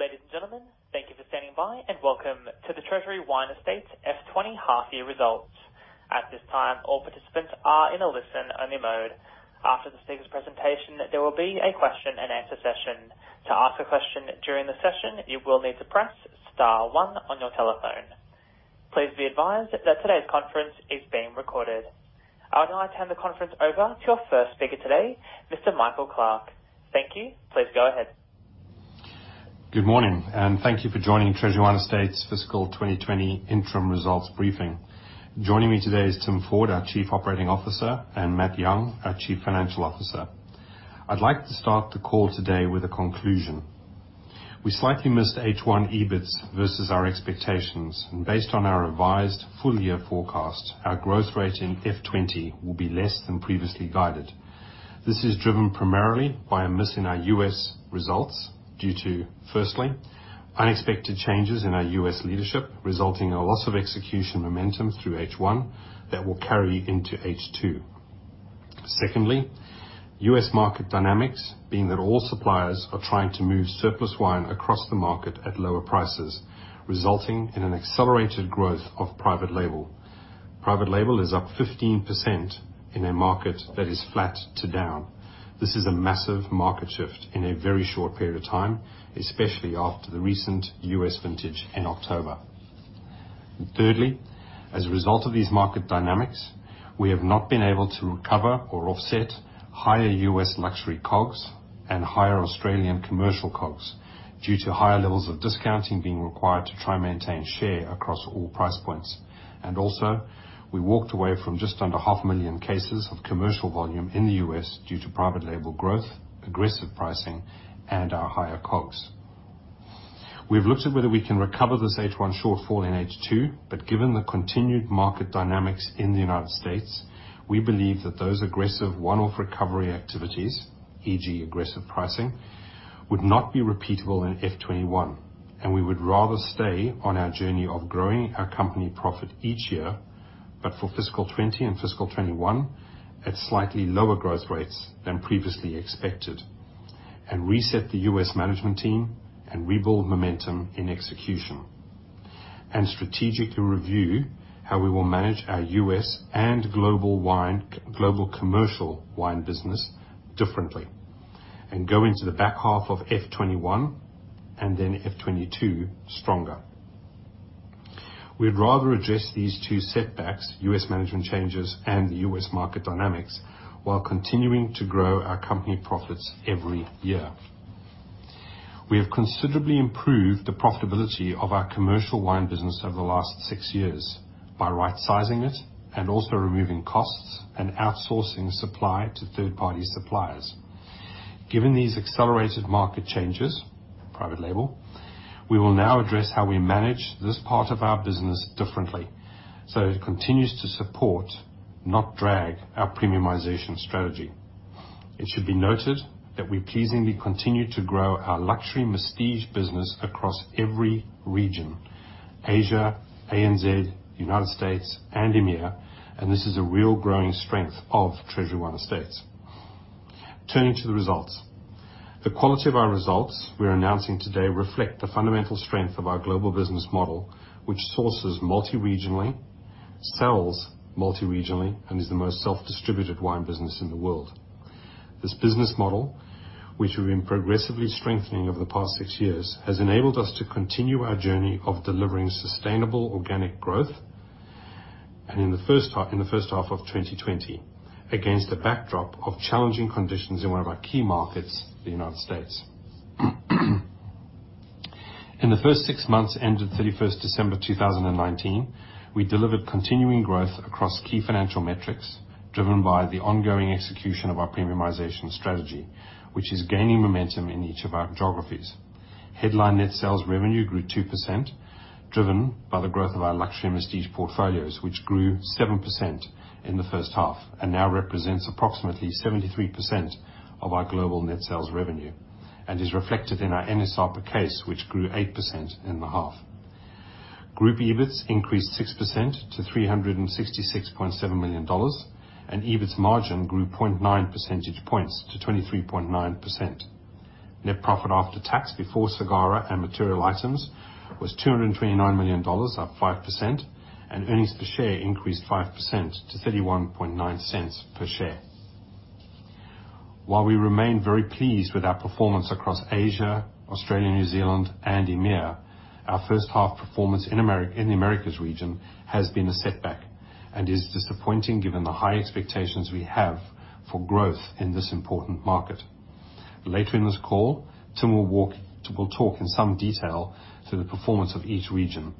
Ladies and gentlemen, thank you for standing by and welcome to the Treasury Wine Estates F20 Half-Year Results. At this time, all participants are in a listen-only mode. After the speaker's presentation, there will be a question-and-answer session. To ask a question during the session, you will need to press star one on your telephone. Please be advised that today's conference is being recorded. I will now turn the conference over to our first speaker today, Mr. Michael Clarke. Thank you. Please go ahead. Good morning, and thank you for joining Treasury Wine Estates Fiscal 2020 interim results briefing. Joining me today is Tim Ford, our Chief Operating Officer, and Matt Young, our Chief Financial Officer. I'd like to start the call today with a conclusion. We slightly missed H1 EBITS versus our expectations, and based on our revised full-year forecast, our growth rate in F20 will be less than previously guided. This is driven primarily by a miss in our U.S. results due to, firstly, unexpected changes in our U.S. leadership, resulting in a loss of execution momentum through H1 that will carry into H2. Secondly, U.S. market dynamics, being that all suppliers are trying to move surplus wine across the market at lower prices, resulting in an accelerated growth of private label. Private label is up 15% in a market that is flat to down. This is a massive market shift in a very short period of time, especially after the recent U.S. vintage in October. Thirdly, as a result of these market dynamics, we have not been able to recover or offset higher U.S. luxury COGS and higher Australian commercial COGS due to higher levels of discounting being required to try and maintain share across all price points. And also, we walked away from just under 500,000 cases of commercial volume in the U.S. due to private label growth, aggressive pricing, and our higher COGS. We've looked at whether we can recover this H1 shortfall in H2, but given the continued market dynamics in the United States, we believe that those aggressive one-off recovery activities, e.g., aggressive pricing, would not be repeatable in F21, and we would rather stay on our journey of growing our company profit each year, but for Fiscal 20 and Fiscal 21 at slightly lower growth rates than previously expected, and reset the U.S. management team and rebuild momentum in execution, and strategically review how we will manage our U.S. and global commercial wine business differently, and go into the back half of F21 and then F22 stronger. We'd rather address these two setbacks, U.S. management changes and the U.S. market dynamics, while continuing to grow our company profits every year. We have considerably improved the profitability of our commercial wine business over the last six years by right-sizing it and also removing costs and outsourcing supply to third-party suppliers. Given these accelerated market changes, private label, we will now address how we manage this part of our business differently so it continues to support, not drag, our premiumization strategy. It should be noted that we pleasingly continue to grow our luxury masstige business across every region: Asia, ANZ, United States, and EMEA, and this is a real growing strength of Treasury Wine Estates. Turning to the results, the quality of our results we're announcing today reflect the fundamental strength of our global business model, which sources multi-regionally, sells multi-regionally, and is the most self-distributed wine business in the world. This business model, which we've been progressively strengthening over the past six years, has enabled us to continue our journey of delivering sustainable organic growth in the first half of 2020 against a backdrop of challenging conditions in one of our key markets, the United States. In the first six months ended 31st December 2019, we delivered continuing growth across key financial metrics driven by the ongoing execution of our premiumization strategy, which is gaining momentum in each of our geographies. Headline net sales revenue grew 2%, driven by the growth of our luxury masstige portfolios, which grew 7% in the first half and now represents approximately 73% of our global net sales revenue, and is reflected in our NSR per case, which grew 8% in the half. Group EBITS increased 6% to 366.7 million dollars, and EBITS margin grew 0.9 percentage points to 23.9%. Net profit after tax before SGARA and material items was 229 million dollars, up 5%, and earnings per share increased 5% to 0.319 per share. While we remain very pleased with our performance across Asia, Australia, New Zealand, and EMEA, our first half performance in the Americas region has been a setback and is disappointing given the high expectations we have for growth in this important market. Later in this call, Tim will talk in some detail to the performance of each region,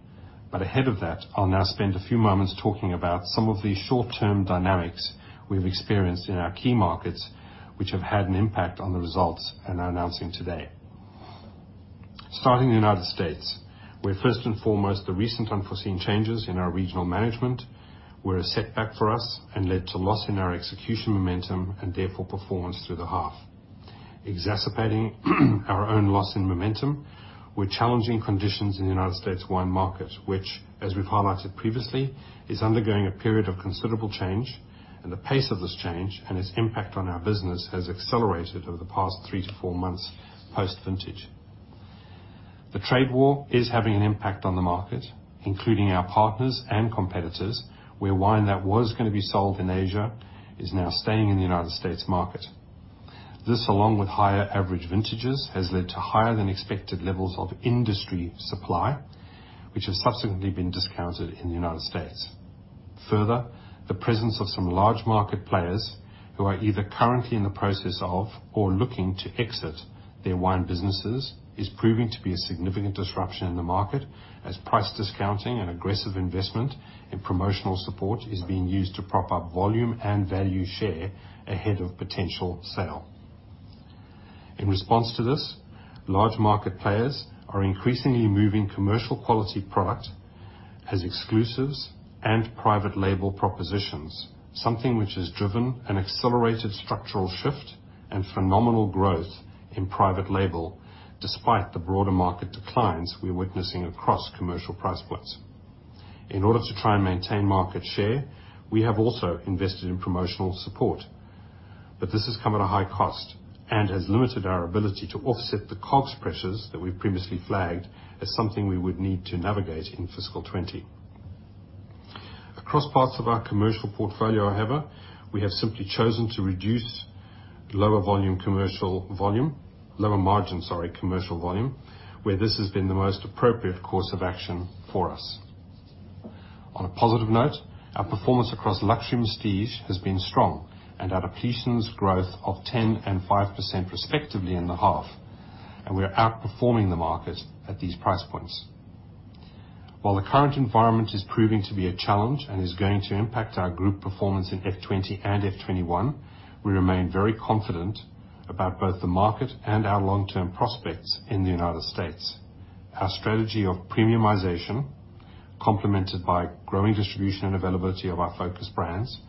but ahead of that, I'll now spend a few moments talking about some of the short-term dynamics we've experienced in our key markets, which have had an impact on the results I'm announcing today. Starting in the United States, where first and foremost, the recent unforeseen changes in our regional management were a setback for us and led to loss in our execution momentum and therefore performance through the half, exacerbating our own loss in momentum with challenging conditions in the United States wine market, which, as we've highlighted previously, is undergoing a period of considerable change, and the pace of this change and its impact on our business has accelerated over the past three to four months post-vintage. The trade war is having an impact on the market, including our partners and competitors, where wine that was going to be sold in Asia is now staying in the United States market. This, along with higher average vintages, has led to higher than expected levels of industry supply, which have subsequently been discounted in the United States. Further, the presence of some large market players who are either currently in the process of or looking to exit their wine businesses is proving to be a significant disruption in the market, as price discounting and aggressive investment in promotional support is being used to prop up volume and value share ahead of potential sale. In response to this, large market players are increasingly moving commercial quality product as exclusives and private label propositions, something which has driven an accelerated structural shift and phenomenal growth in private label despite the broader market declines we're witnessing across commercial price points. In order to try and maintain market share, we have also invested in promotional support, but this has come at a high cost and has limited our ability to offset the COGS pressures that we've previously flagged as something we would need to navigate in Fiscal 2020. Across parts of our commercial portfolio, however, we have simply chosen to reduce lower margins, sorry, commercial volume, where this has been the most appropriate course of action for us. On a positive note, our performance across luxury masstige has been strong and our depletions growth of 10% and 5% respectively in the half, and we're outperforming the market at these price points. While the current environment is proving to be a challenge and is going to impact our group performance in F20 and F21, we remain very confident about both the market and our long-term prospects in the United States. Our strategy of premiumization, complemented by growing distribution and availability of our focus brands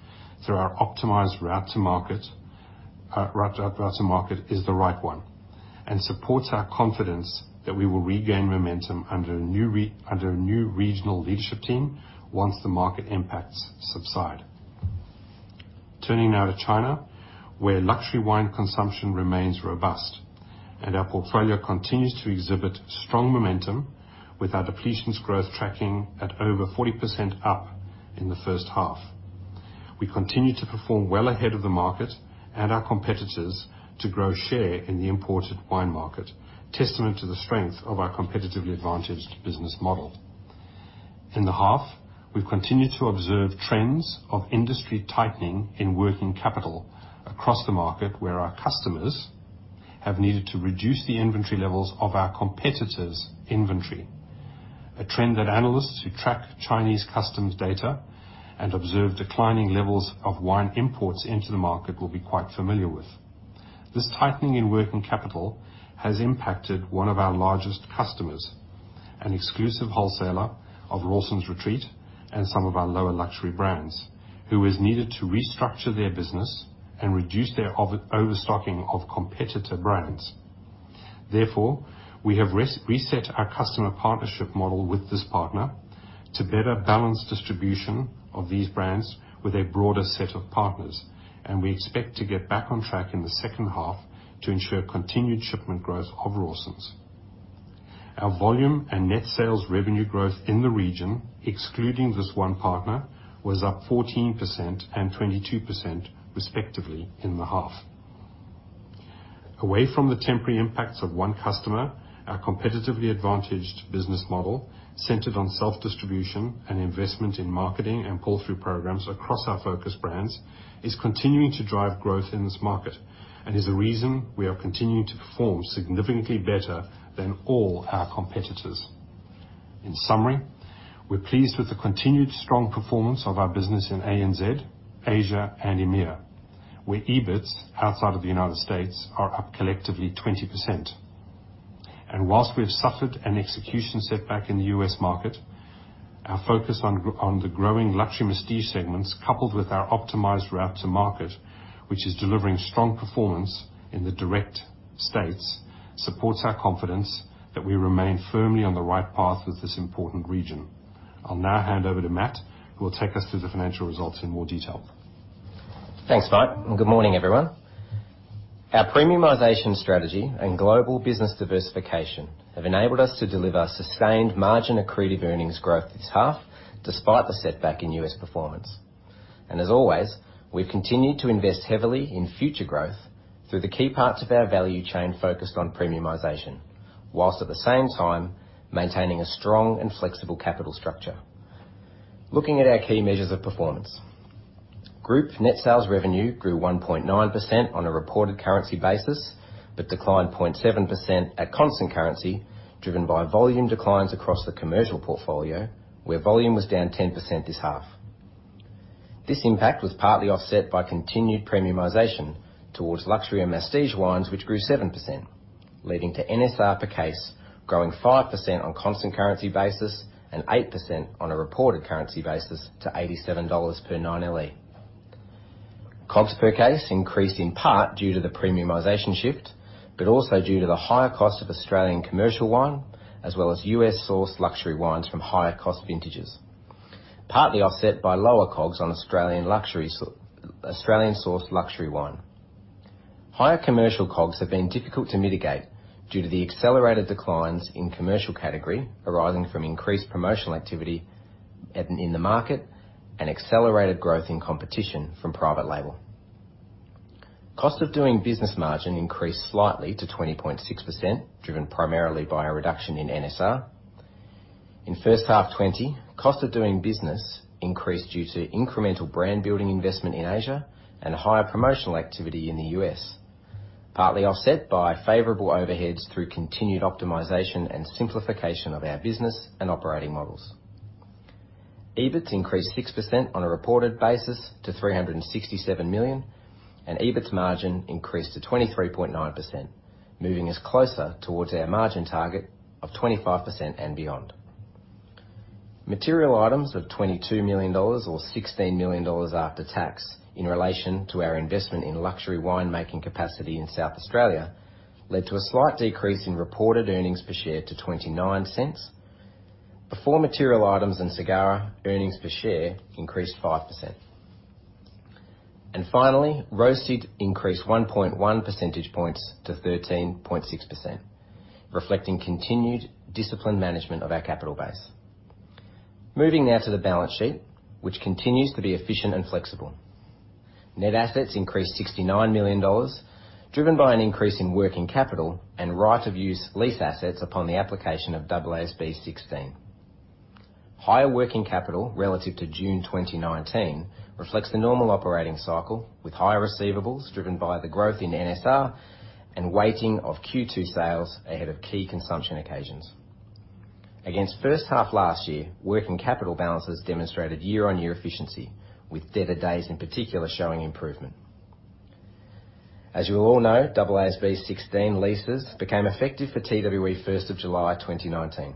through our optimized route to market, is the right one and supports our confidence that we will regain momentum under a new regional leadership team once the market impacts subside. Turning now to China, where luxury wine consumption remains robust and our portfolio continues to exhibit strong momentum with our depletions growth tracking at over 40% up in the first half. We continue to perform well ahead of the market and our competitors to grow share in the imported wine market, testament to the strength of our competitively advantaged business model. In the half, we've continued to observe trends of industry tightening in working capital across the market, where our customers have needed to reduce the inventory levels of our competitors' inventory, a trend that analysts who track Chinese customs data and observe declining levels of wine imports into the market will be quite familiar with. This tightening in working capital has impacted one of our largest customers, an exclusive wholesaler of Rawson's Retreat and some of our lower luxury brands, who has needed to restructure their business and reduce their overstocking of competitor brands. Therefore, we have reset our customer partnership model with this partner to better balance distribution of these brands with a broader set of partners, and we expect to get back on track in the second half to ensure continued shipment growth of Rawson's. Our volume and net sales revenue growth in the region, excluding this one partner, was up 14% and 22% respectively in the half. Away from the temporary impacts of one customer, our competitively advantaged business model, centered on self-distribution and investment in marketing and pull-through programs across our focus brands, is continuing to drive growth in this market and is a reason we are continuing to perform significantly better than all our competitors. In summary, we're pleased with the continued strong performance of our business in ANZ, Asia, and EMEA, where EBITS outside of the United States are up collectively 20%, and while we have suffered an execution setback in the U.S. market, our focus on the growing luxury masstige segments, coupled with our optimized route to market, which is delivering strong performance in the direct states, supports our confidence that we remain firmly on the right path with this important region. I'll now hand over to Matt, who will take us through the financial results in more detail. Thanks, Mike. And good morning, everyone. Our premiumization strategy and global business diversification have enabled us to deliver sustained margin accretive earnings growth this half despite the setback in U.S. performance. And as always, we've continued to invest heavily in future growth through the key parts of our value chain focused on premiumization, whilst at the same time maintaining a strong and flexible capital structure. Looking at our key measures of performance, group net sales revenue grew 1.9% on a reported currency basis but declined 0.7% at constant currency, driven by volume declines across the commercial portfolio, where volume was down 10% this half. This impact was partly offset by continued premiumization towards luxury and masstige wines, which grew 7%, leading to NSR per case growing 5% on constant currency basis and 8% on a reported currency basis to 87 dollars per 9LE. COGS per case increased in part due to the premiumization shift, but also due to the higher cost of Australian commercial wine as well as U.S.-sourced luxury wines from higher-cost vintages, partly offset by lower COGS on Australian-sourced luxury wine. Higher commercial COGS have been difficult to mitigate due to the accelerated declines in commercial category arising from increased promotional activity in the market and accelerated growth in competition from private label. Cost of doing business margin increased slightly to 20.6%, driven primarily by a reduction in NSR. In first half 2020, cost of doing business increased due to incremental brand-building investment in Asia and higher promotional activity in the U.S., partly offset by favorable overheads through continued optimization and simplification of our business and operating models. EBITS increased 6% on a reported basis to $367 million, and EBITS margin increased to 23.9%, moving us closer towards our margin target of 25% and beyond. Material items of $22 million or $16 million after tax in relation to our investment in luxury wine-making capacity in South Australia led to a slight decrease in reported earnings per share to $0.29 before material items and SGARA earnings per share increased 5%. And finally, ROCE increased 1.1 percentage points to 13.6%, reflecting continued disciplined management of our capital base. Moving now to the balance sheet, which continues to be efficient and flexible. Net assets increased $69 million, driven by an increase in working capital and right-of-use lease assets upon the application of AASB 16. Higher working capital relative to June 2019 reflects the normal operating cycle with higher receivables driven by the growth in NSR and weighting of Q2 sales ahead of key consumption occasions. Against first half last year, working capital balances demonstrated year-on-year efficiency, with debtor days in particular showing improvement. As you will all know, AASB 16 leases became effective for TWE 1st of July 2019,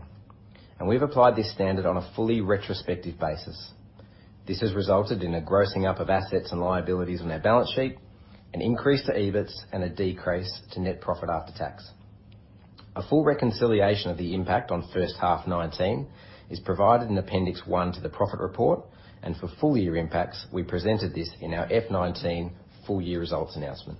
and we've applied this standard on a fully retrospective basis. This has resulted in a grossing up of assets and liabilities on our balance sheet, an increase to EBITS, and a decrease to net profit after tax. A full reconciliation of the impact on first half 2019 is provided in Appendix 1 to the profit report, and for full-year impacts, we presented this in our F19 full-year results announcement.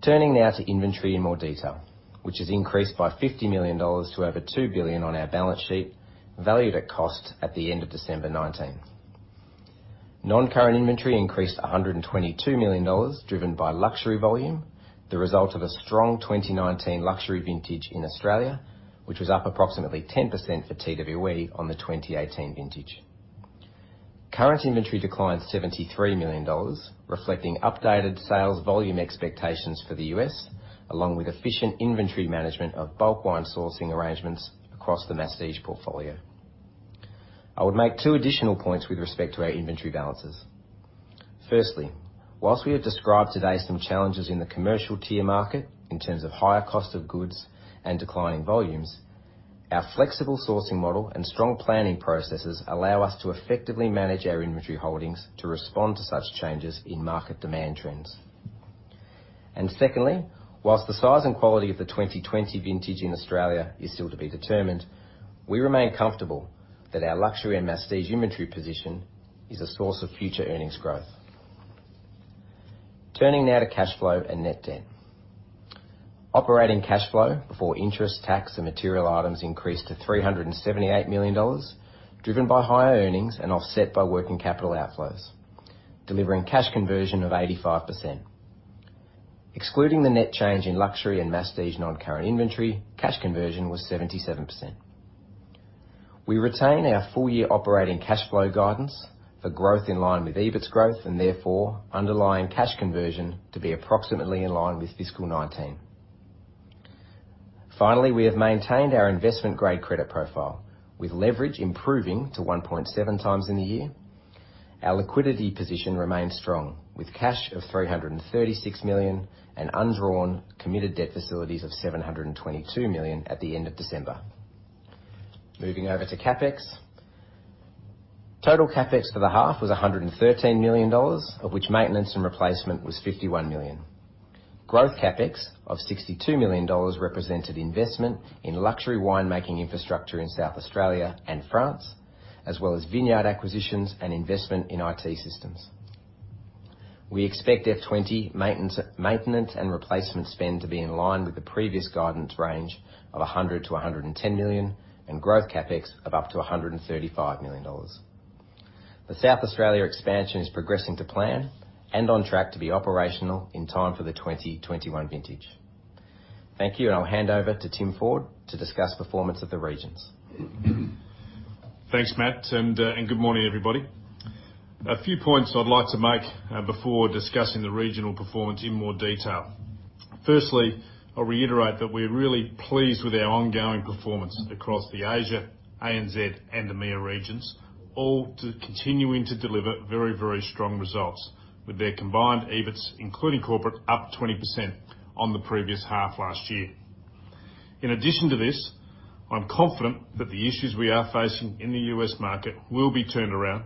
Turning now to inventory in more detail, which has increased by 50 million dollars to over 2 billion on our balance sheet, valued at cost at the end of December 2019. Non-current inventory increased 122 million dollars, driven by luxury volume, the result of a strong 2019 luxury vintage in Australia, which was up approximately 10% for TWE on the 2018 vintage. Current inventory declined 73 million dollars, reflecting updated sales volume expectations for the U.S., along with efficient inventory management of bulk wine sourcing arrangements across the masstige portfolio. I would make two additional points with respect to our inventory balances. First, while we have described today some challenges in the commercial tier market in terms of higher cost of goods and declining volumes, our flexible sourcing model and strong planning processes allow us to effectively manage our inventory holdings to respond to such changes in market demand trends. Secondly, while the size and quality of the 2020 vintage in Australia is still to be determined, we remain comfortable that our luxury and masstige inventory position is a source of future earnings growth. Turning now to cash flow and net debt. Operating cash flow before interest, tax, and material items increased to 378 million dollars, driven by higher earnings and offset by working capital outflows, delivering cash conversion of 85%. Excluding the net change in luxury and masstige non-current inventory, cash conversion was 77%. We retain our full-year operating cash flow guidance for growth in line with EBITS growth and therefore underlying cash conversion to be approximately in line with Fiscal 2019. Finally, we have maintained our investment-grade credit profile, with leverage improving to 1.7 times in the year. Our liquidity position remains strong, with cash of 336 million and undrawn committed debt facilities of 722 million at the end of December. Moving over to CapEx. Total CapEx for the half was 113 million dollars, of which maintenance and replacement was 51 million. Growth CapEx of 62 million dollars represented investment in luxury wine-making infrastructure in South Australia and France, as well as vineyard acquisitions and investment in IT systems. We expect F20 maintenance and replacement spend to be in line with the previous guidance range of 100-110 million and growth CapEx of up to 135 million dollars. The South Australia expansion is progressing to plan and on track to be operational in time for the 2021 vintage. Thank you, and I'll hand over to Tim Ford to discuss performance of the regions. Thanks, Matt, and good morning, everybody. A few points I'd like to make before discussing the regional performance in more detail. Firstly, I'll reiterate that we're really pleased with our ongoing performance across the Asia, ANZ, and EMEA regions, all continuing to deliver very, very strong results with their combined EBITS, including corporate, up 20% on the previous half last year. In addition to this, I'm confident that the issues we are facing in the U.S. market will be turned around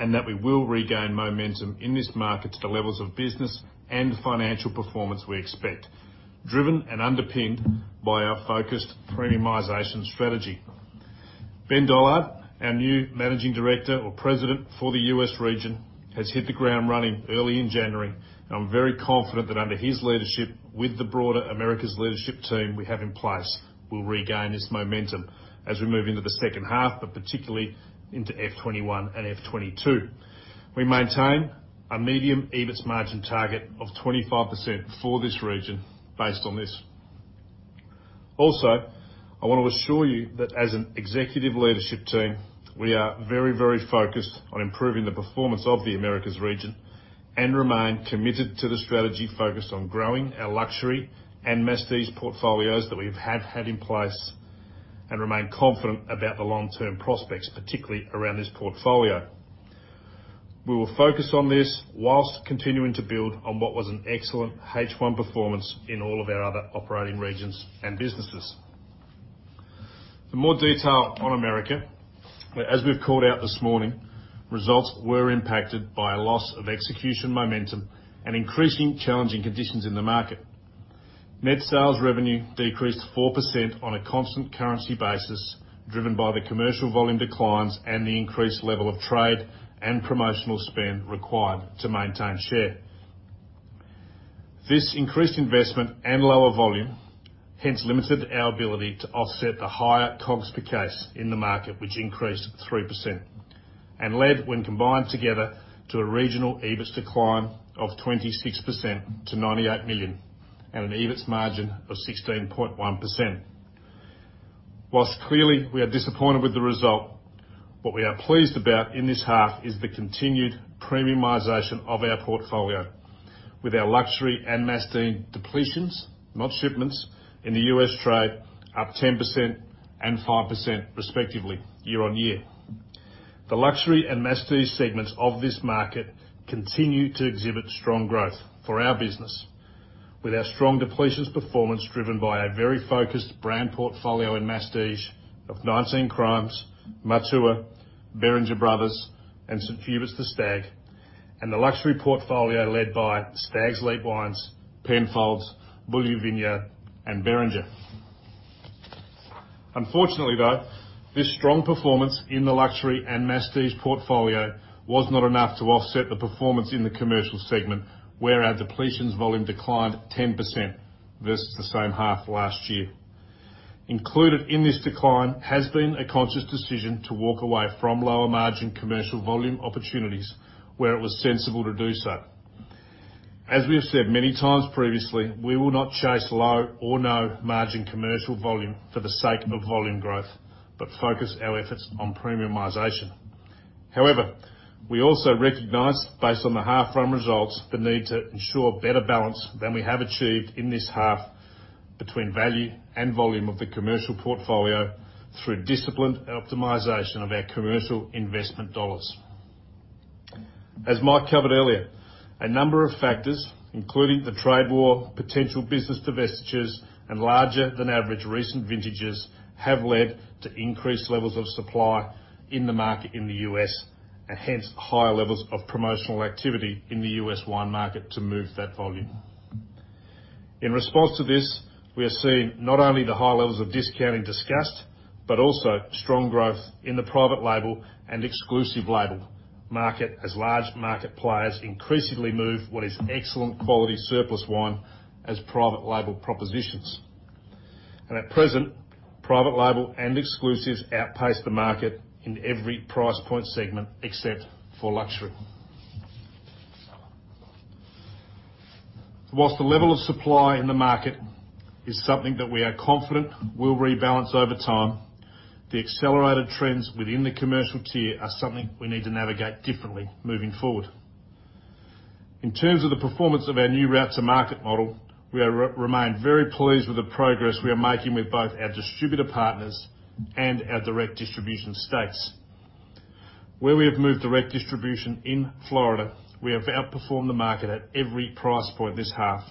and that we will regain momentum in this market to the levels of business and financial performance we expect, driven and underpinned by our focused premiumization strategy. Ben Dollard, our new managing director or president for the U.S. region, has hit the ground running early in January, and I'm very confident that under his leadership, with the broader Americas leadership team we have in place, we'll regain this momentum as we move into the second half, but particularly into F21 and F22. We maintain a medium EBITS margin target of 25% for this region based on this. Also, I want to assure you that as an executive leadership team, we are very, very focused on improving the performance of the Americas region and remain committed to the strategy focused on growing our luxury and masstige portfolios that we have had in place and remain confident about the long-term prospects, particularly around this portfolio. We will focus on this while continuing to build on what was an excellent H1 performance in all of our other operating regions and businesses. For more detail on America, as we've called out this morning, results were impacted by a loss of execution momentum and increasingly challenging conditions in the market. Net sales revenue decreased 4% on a constant currency basis, driven by the commercial volume declines and the increased level of trade and promotional spend required to maintain share. This increased investment and lower volume hence limited our ability to offset the higher COGS per case in the market, which increased 3%, and led when combined together to a regional EBITS decline of 26% to 98 million and an EBITS margin of 16.1%. While clearly we are disappointed with the result, what we are pleased about in this half is the continued premiumization of our portfolio, with our luxury and masstige depletions, not shipments, in the U.S. trade up 10% and 5% respectively year-on-year. The luxury and masstige segments of this market continue to exhibit strong growth for our business, with our strong depletions performance driven by a very focused brand portfolio in masstige of 19 Crimes, Matua, Beringer Brothers, and St Huberts The Stag, and the luxury portfolio led by Stags' Leap Winery, Penfolds, Beaulieu Vineyard, and Beringer. Unfortunately, though, this strong performance in the luxury and masstige portfolio was not enough to offset the performance in the commercial segment, where our depletions volume declined 10% versus the same half last year. Included in this decline has been a conscious decision to walk away from lower margin commercial volume opportunities where it was sensible to do so. As we have said many times previously, we will not chase low or no margin commercial volume for the sake of volume growth, but focus our efforts on premiumization. However, we also recognize, based on the half-year results, the need to ensure better balance than we have achieved in this half between value and volume of the commercial portfolio through disciplined optimization of our commercial investment dollars. As Mike covered earlier, a number of factors, including the trade war, potential business divestitures, and larger-than-average recent vintages, have led to increased levels of supply in the market in the U.S. and hence higher levels of promotional activity in the U.S. wine market to move that volume. In response to this, we have seen not only the high levels of discounting discussed, but also strong growth in the private label and exclusive label market as large market players increasingly move what is excellent quality surplus wine as private label propositions, and at present, private label and exclusives outpace the market in every price point segment except for luxury. While the level of supply in the market is something that we are confident will rebalance over time, the accelerated trends within the commercial tier are something we need to navigate differently moving forward. In terms of the performance of our new route to market model, we remain very pleased with the progress we are making with both our distributor partners and our direct distribution states. Where we have moved direct distribution in Florida, we have outperformed the market at every price point this half,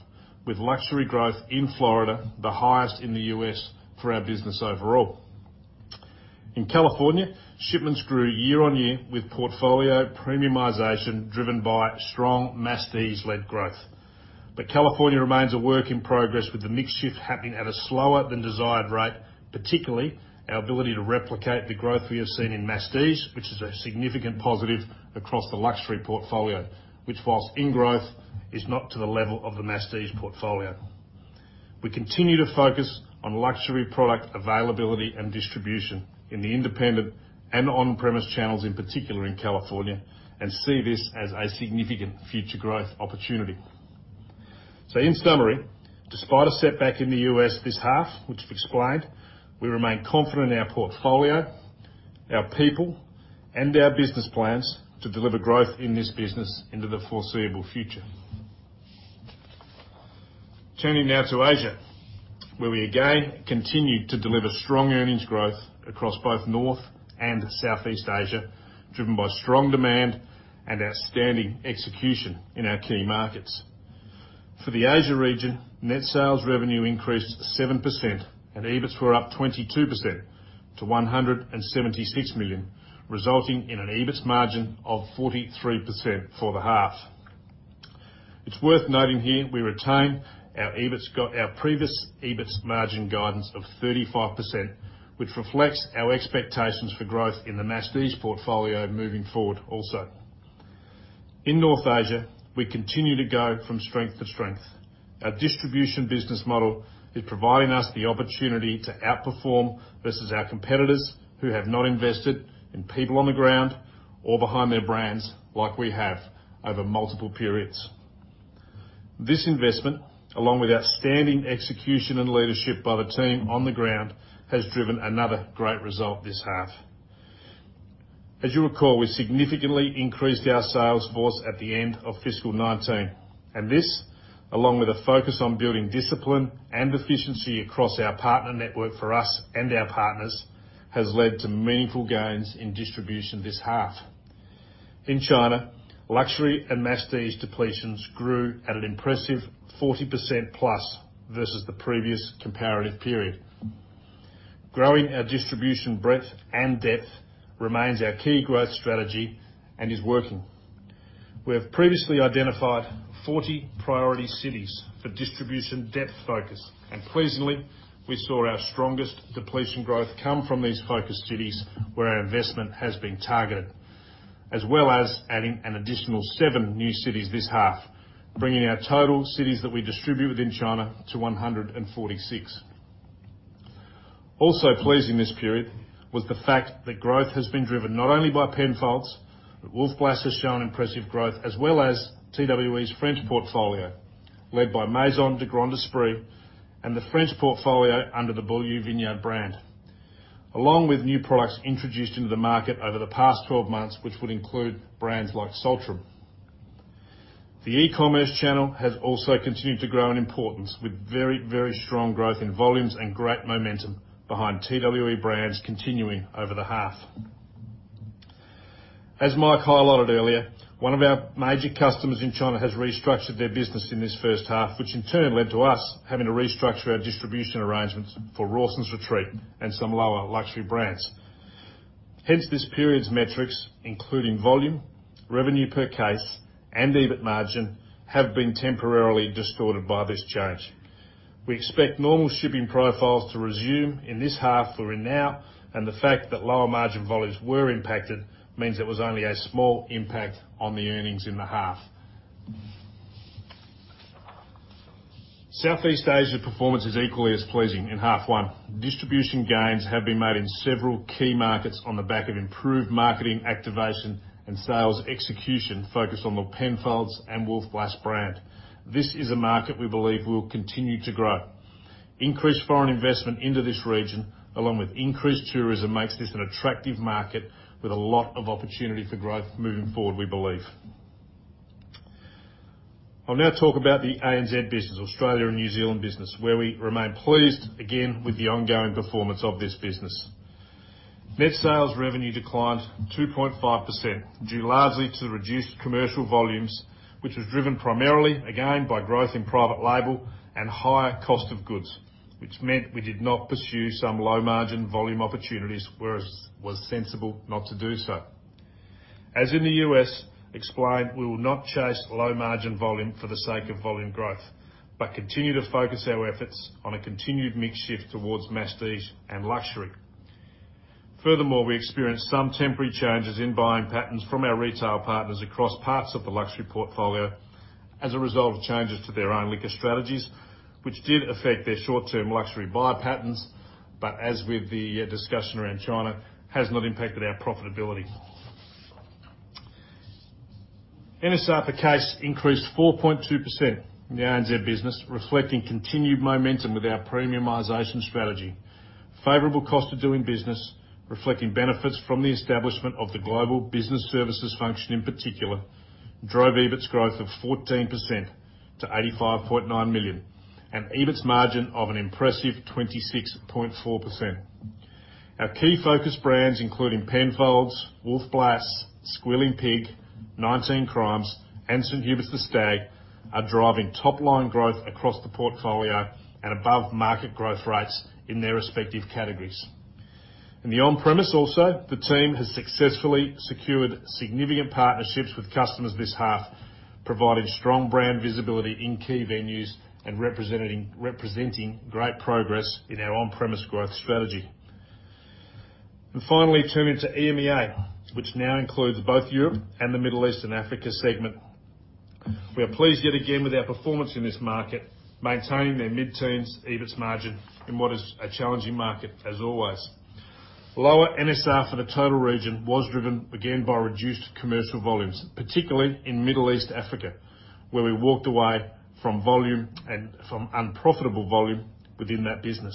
with luxury growth in Florida the highest in the U.S. for our business overall. In California, shipments grew year-on-year with portfolio premiumization driven by strong masstige-led growth. But California remains a work in progress with the mix shift happening at a slower than desired rate, particularly our ability to replicate the growth we have seen in masstige, which is a significant positive across the luxury portfolio, which, whilst in growth, is not to the level of the masstige portfolio. We continue to focus on luxury product availability and distribution in the independent and on-premise channels, in particular in California, and see this as a significant future growth opportunity. So, in summary, despite a setback in the U.S. this half, which I've explained, we remain confident in our portfolio, our people, and our business plans to deliver growth in this business into the foreseeable future. Turning now to Asia, where we again continue to deliver strong earnings growth across both North and South East Asia, driven by strong demand and outstanding execution in our key markets. For the Asia region, net sales revenue increased 7%, and EBITS were up 22% to 176 million, resulting in an EBITS margin of 43% for the half. It's worth noting here we retain our previous EBITS margin guidance of 35%, which reflects our expectations for growth in the masstige portfolio moving forward also. In North Asia, we continue to go from strength to strength. Our distribution business model is providing us the opportunity to outperform versus our competitors who have not invested in people on the ground or behind their brands like we have over multiple periods. This investment, along with outstanding execution and leadership by the team on the ground, has driven another great result this half. As you recall, we significantly increased our sales force at the end of Fiscal 2019, and this, along with a focus on building discipline and efficiency across our partner network for us and our partners, has led to meaningful gains in distribution this half. In China, luxury and masstige depletions grew at an impressive 40% plus versus the previous comparative period. Growing our distribution breadth and depth remains our key growth strategy and is working. We have previously identified 40 priority cities for distribution depth focus, and pleasingly, we saw our strongest depletion growth come from these focus cities where our investment has been targeted, as well as adding an additional seven new cities this half, bringing our total cities that we distribute within China to 146. Also, pleasing this period was the fact that growth has been driven not only by Penfolds, but Wolf Blass has shown impressive growth, as well as TWE's French portfolio led by Maison de Grand Esprit and the French portfolio under the Beaulieu Vineyard brand, along with new products introduced into the market over the past 12 months, which would include brands like Saltram. The e-commerce channel has also continued to grow in importance, with very, very strong growth in volumes and great momentum behind TWE brands continuing over the half. As Mike highlighted earlier, one of our major customers in China has restructured their business in this first half, which in turn led to us having to restructure our distribution arrangements for Rawson's Retreat and some lower luxury brands. Hence, this period's metrics, including volume, revenue per case, and EBIT margin, have been temporarily distorted by this change. We expect normal shipping profiles to resume in this half for now, and the fact that lower margin volumes were impacted means it was only a small impact on the earnings in the half. South East Asia's performance is equally as pleasing in half one. Distribution gains have been made in several key markets on the back of improved marketing activation and sales execution focused on the Penfolds and Wolf Blass brand. This is a market we believe will continue to grow. Increased foreign investment into this region, along with increased tourism, makes this an attractive market with a lot of opportunity for growth moving forward, we believe. I'll now talk about the ANZ business, Australia and New Zealand business, where we remain pleased again with the ongoing performance of this business. Net sales revenue declined 2.5% due largely to the reduced commercial volumes, which was driven primarily, again, by growth in private label and higher cost of goods, which meant we did not pursue some low margin volume opportunities, whereas it was sensible not to do so. As in the U.S., explained, we will not chase low margin volume for the sake of volume growth, but continue to focus our efforts on a continued mix shift towards masstige and luxury. Furthermore, we experienced some temporary changes in buying patterns from our retail partners across parts of the luxury portfolio as a result of changes to their own liquor strategies, which did affect their short-term luxury buy patterns, but as with the discussion around China, has not impacted our profitability. NSR per case increased 4.2% in the ANZ business, reflecting continued momentum with our premiumization strategy. Favorable cost of doing business, reflecting benefits from the establishment of the global business services function in particular, drove EBITS growth of 14% to 85.9 million and EBITS margin of an impressive 26.4%. Our key focus brands, including Penfolds, Wolf Blass, Squealing Pig, 19 Crimes, and St Huberts The Stag, are driving top-line growth across the portfolio and above market growth rates in their respective categories. In the on-premise also, the team has successfully secured significant partnerships with customers this half, providing strong brand visibility in key venues and representing great progress in our on-premise growth strategy. And finally, turning to EMEA, which now includes both Europe and the Middle East and Africa segment, we are pleased yet again with our performance in this market, maintaining there mid-teens EBITS margin in what is a challenging market as always. Lower NSR for the total region was driven again by reduced commercial volumes, particularly in Middle East and Africa, where we walked away from volume and from unprofitable volume within that business.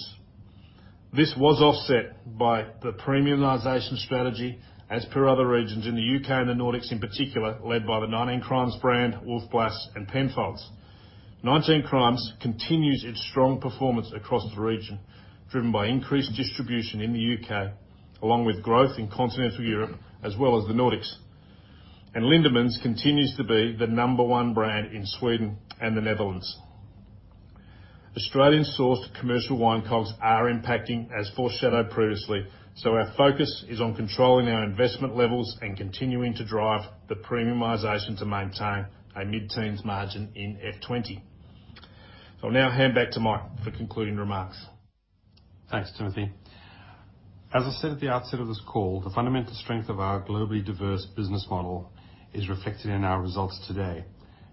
This was offset by the premiumization strategy as per other regions in the U.K. and the Nordics in particular, led by the 19 Crimes brand, Wolf Blass, and Penfolds. 19 Crimes continues its strong performance across the region, driven by increased distribution in the U.K., along with growth in continental Europe as well as the Nordics, and Lindeman's continues to be the number one brand in Sweden and the Netherlands. Australian-sourced commercial wine COGS are impacting, as foreshadowed previously, so our focus is on controlling our investment levels and continuing to drive the premiumization to maintain a mid-teens margin in F20. I'll now hand back to Mike for concluding remarks. Thanks, Timothy. As I said at the outset of this call, the fundamental strength of our globally diverse business model is reflected in our results today,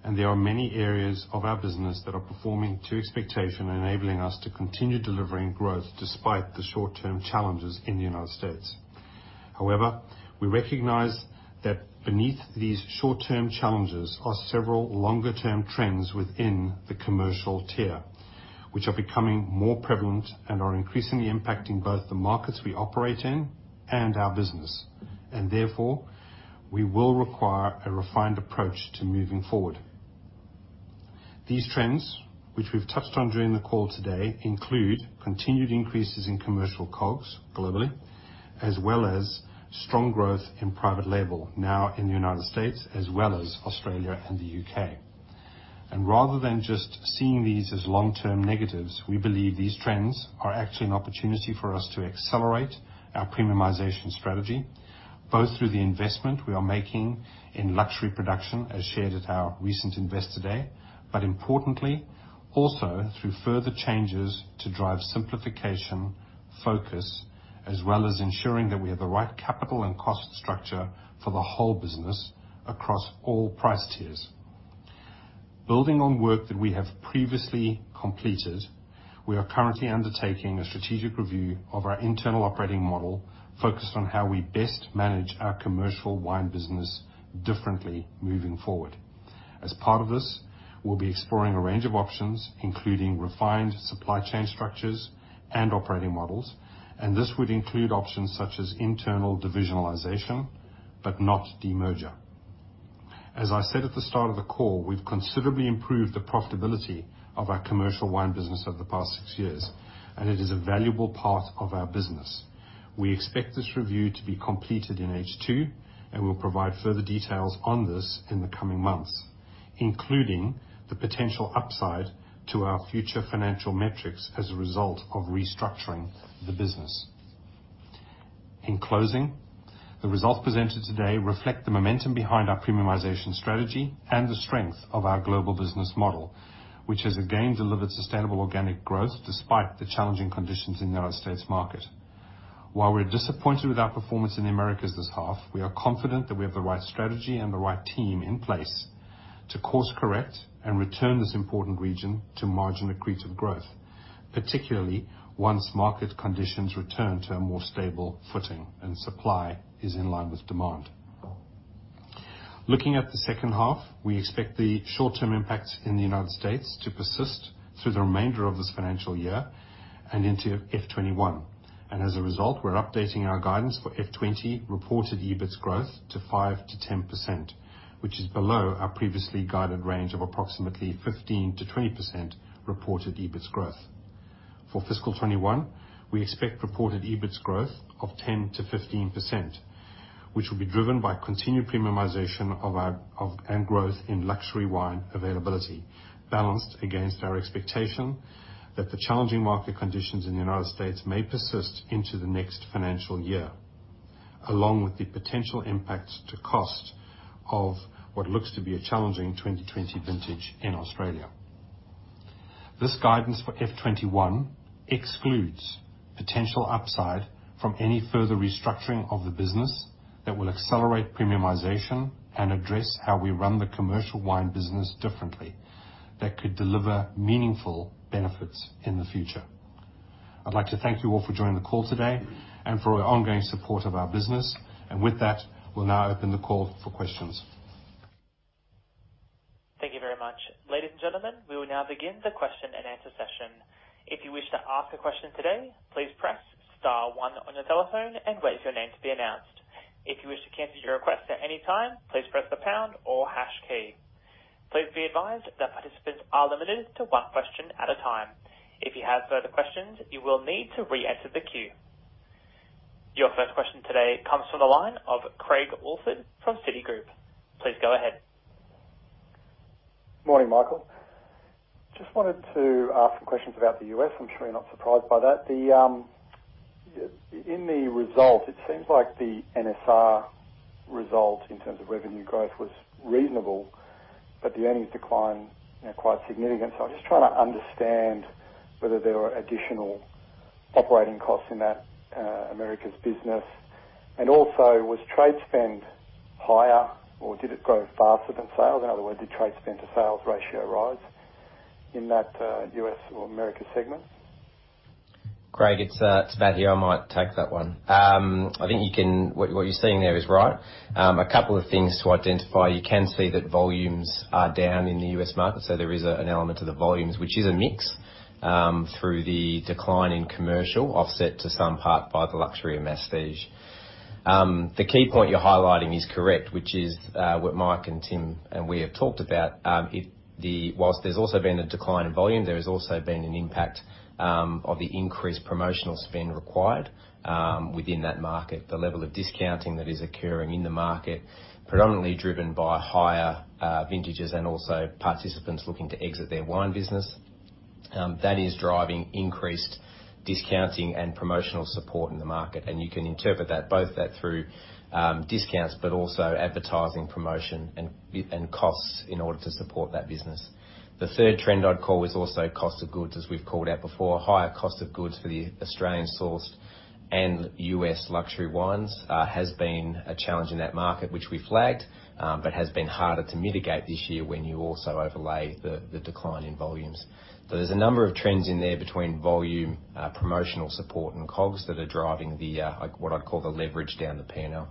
and there are many areas of our business that are performing to expectation, enabling us to continue delivering growth despite the short-term challenges in the United States. However, we recognize that beneath these short-term challenges are several longer-term trends within the commercial tier, which are becoming more prevalent and are increasingly impacting both the markets we operate in and our business, and therefore, we will require a refined approach to moving forward. These trends, which we've touched on during the call today, include continued increases in commercial COGS globally, as well as strong growth in private label now in the United States, as well as Australia and the U.K. Rather than just seeing these as long-term negatives, we believe these trends are actually an opportunity for us to accelerate our premiumization strategy, both through the investment we are making in luxury production, as shared at our recent Investor Day, but importantly, also through further changes to drive simplification focus, as well as ensuring that we have the right capital and cost structure for the whole business across all price tiers. Building on work that we have previously completed, we are currently undertaking a strategic review of our internal operating model focused on how we best manage our commercial wine business differently moving forward. As part of this, we'll be exploring a range of options, including refined supply chain structures and operating models, and this would include options such as internal divisionalization, but not demerger. As I said at the start of the call, we've considerably improved the profitability of our commercial wine business over the past six years, and it is a valuable part of our business. We expect this review to be completed in H2, and we'll provide further details on this in the coming months, including the potential upside to our future financial metrics as a result of restructuring the business. In closing, the results presented today reflect the momentum behind our premiumization strategy and the strength of our global business model, which has again delivered sustainable organic growth despite the challenging conditions in the United States market. While we're disappointed with our performance in the Americas this half, we are confident that we have the right strategy and the right team in place to course-correct and return this important region to margin accretive growth, particularly once market conditions return to a more stable footing and supply is in line with demand. Looking at the second half, we expect the short-term impacts in the United States to persist through the remainder of this financial year and into F21, and as a result, we're updating our guidance for F20 reported EBITS growth to 5%-10%, which is below our previously guided range of approximately 15%-20% reported EBITS growth. For Fiscal 2021, we expect reported EBITS growth of 10%-15%, which will be driven by continued premiumization and growth in luxury wine availability, balanced against our expectation that the challenging market conditions in the United States may persist into the next financial year, along with the potential impact to cost of what looks to be a challenging 2020 vintage in Australia. This guidance for 2021 excludes potential upside from any further restructuring of the business that will accelerate premiumization and address how we run the commercial wine business differently that could deliver meaningful benefits in the future. I'd like to thank you all for joining the call today and for your ongoing support of our business, and with that, we'll now open the call for questions. Thank you very much. Ladies and gentlemen, we will now begin the question and answer session. If you wish to ask a question today, please press star one on your telephone and wait for your name to be announced. If you wish to cancel your request at any time, please press the pound or hash key. Please be advised that participants are limited to one question at a time. If you have further questions, you will need to re-enter the queue. Your first question today comes from the line of Craig Alford from Citigroup. Please go ahead. Good morning, Michael. Just wanted to ask some questions about the U.S. I'm sure you're not surprised by that. In the result, it seems like the NSR result in terms of revenue growth was reasonable, but the earnings decline quite significant. So I'm just trying to understand whether there were additional operating costs in that America's business. And also, was trade spend higher, or did it grow faster than sales? In other words, did trade spend to sales ratio rise in that U.S. or America segment? Craig, it's Matthew. I might take that one. I think what you're seeing there is right. A couple of things to identify. You can see that volumes are down in the U.S. market, so there is an element to the volumes, which is a mix through the decline in commercial offset to some part by the luxury and masstige. The key point you're highlighting is correct, which is what Mike and Tim and we have talked about. Whilst there's also been a decline in volume, there has also been an impact of the increased promotional spend required within that market, the level of discounting that is occurring in the market, predominantly driven by higher vintages and also participants looking to exit their wine business. That is driving increased discounting and promotional support in the market, and you can interpret both that through discounts, but also advertising promotion and costs in order to support that business. The third trend I'd call is also cost of goods, as we've called out before. Higher cost of goods for the Australian-sourced and U.S. luxury wines has been a challenge in that market, which we flagged, but has been harder to mitigate this year when you also overlay the decline in volumes. So there's a number of trends in there between volume, promotional support, and COGS that are driving what I'd call the leverage down the P&L.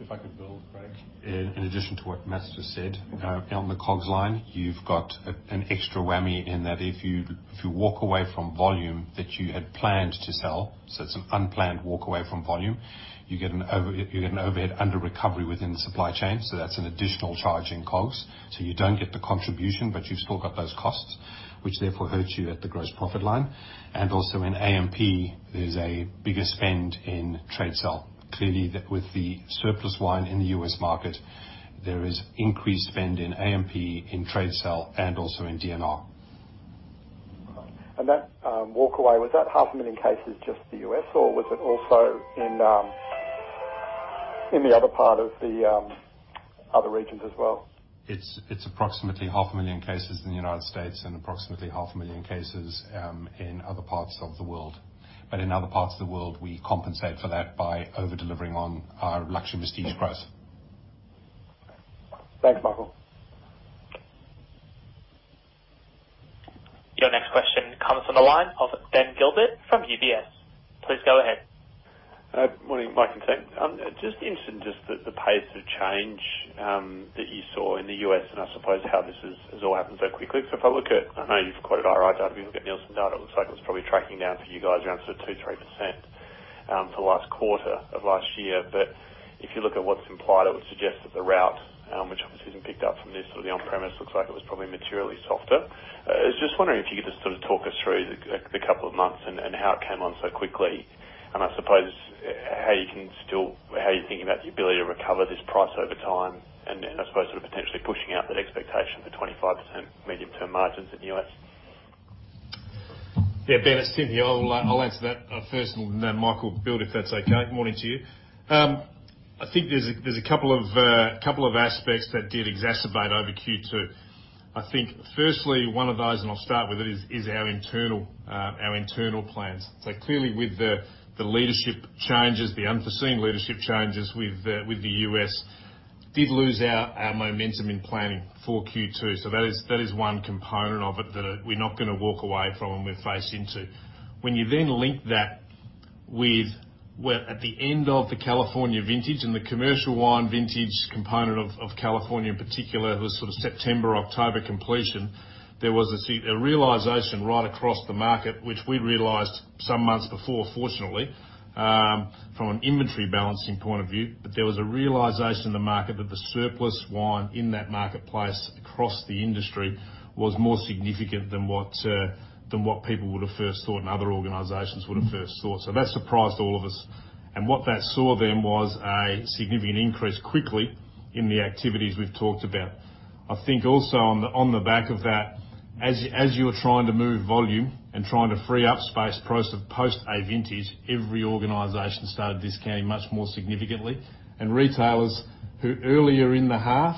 If I could build, Craig. In addition to what Matt's just said, out in the COGS line, you've got an extra whammy in that if you walk away from volume that you had planned to sell, so it's an unplanned walk away from volume, you get an overhead under recovery within the supply chain. So that's an additional charge in COGS. So you don't get the contribution, but you've still got those costs, which therefore hurts you at the gross profit line. And also in A&P, there's a bigger spend in trade sale. Clearly, with the surplus wine in the U.S. market, there is increased spend in A&P, in trade sale, and also in D&R. And that walk away, was that 0.5 million cases just the U.S., or was it also in the other part of the other regions as well? It's approximately 0.5 million cases in the United States and approximately 0.5 million cases in other parts of the world. But in other parts of the world, we compensate for that by over-delivering on our luxury masstige growth. Thanks, Michael. Your next question comes from the line of Ben Gilbert from UBS. Please go ahead. Morning, Mike and Tim. I'm just interested in just the pace of change that you saw in the U.S. and I suppose how this has all happened so quickly. So if I look at, I know you've quoted IRI data. We look at Nielsen data. It looks like it was probably tracking down for you guys around sort of 2%-3% for the last quarter of last year. But if you look at what's implied, it would suggest that the route, which obviously hasn't picked up from this, sort of the on-premise, looks like it was probably materially softer. I was just wondering if you could just sort of talk us through the couple of months and how it came on so quickly. And I suppose how you can still, how you're thinking about the ability to recover this price over time and I suppose sort of potentially pushing out that expectation for 25% medium-term margins in the U.S.. Yeah, Ben, it's Tim here. I'll answer that first, and then Michael will build if that's okay. Morning to you. I think there's a couple of aspects that did exacerbate over Q2. I think firstly, one of those, and I'll start with it, is our internal plans. So clearly, with the leadership changes, the unforeseen leadership changes with the U.S., did lose our momentum in planning for Q2. So that is one component of it that we're not going to walk away from and we're faced into. When you then link that with, well, at the end of the California vintage and the commercial wine vintage component of California in particular, it was sort of September, October completion, there was a realization right across the market, which we realized some months before, fortunately, from an inventory balancing point of view. But there was a realization in the market that the surplus wine in that marketplace across the industry was more significant than what people would have first thought and other organizations would have first thought. So that surprised all of us. And what that saw then was a significant increase quickly in the activities we've talked about. I think also on the back of that, as you were trying to move volume and trying to free up space post a vintage, every organization started discounting much more significantly. And retailers who earlier in the half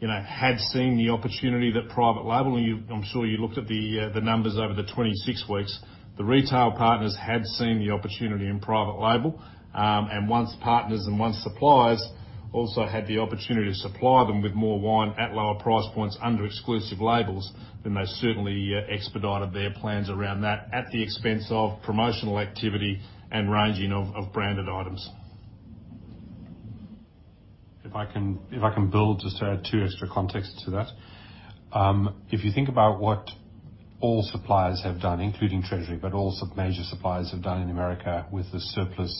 had seen the opportunity that private label, and I'm sure you looked at the numbers over the 26 weeks, the retail partners had seen the opportunity in private label. Our partners and our suppliers also had the opportunity to supply them with more wine at lower price points under exclusive labels. Then they certainly expedited their plans around that at the expense of promotional activity and ranging of branded items. If I can build just to add two extra contexts to that. If you think about what all suppliers have done, including Treasury, but also major suppliers have done in America with the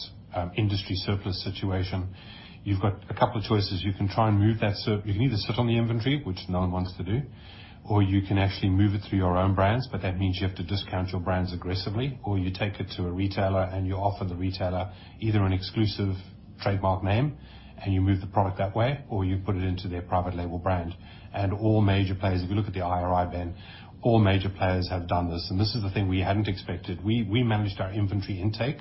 industry surplus situation, you've got a couple of choices. You can try and move that surplus. You can either sit on the inventory, which no one wants to do, or you can actually move it through your own brands, but that means you have to discount your brands aggressively, or you take it to a retailer and you offer the retailer either an exclusive trademark name and you move the product that way, or you put it into their private label brand. And all major players, if you look at the IRI, Ben, all major players have done this. And this is the thing we hadn't expected. We managed our inventory intake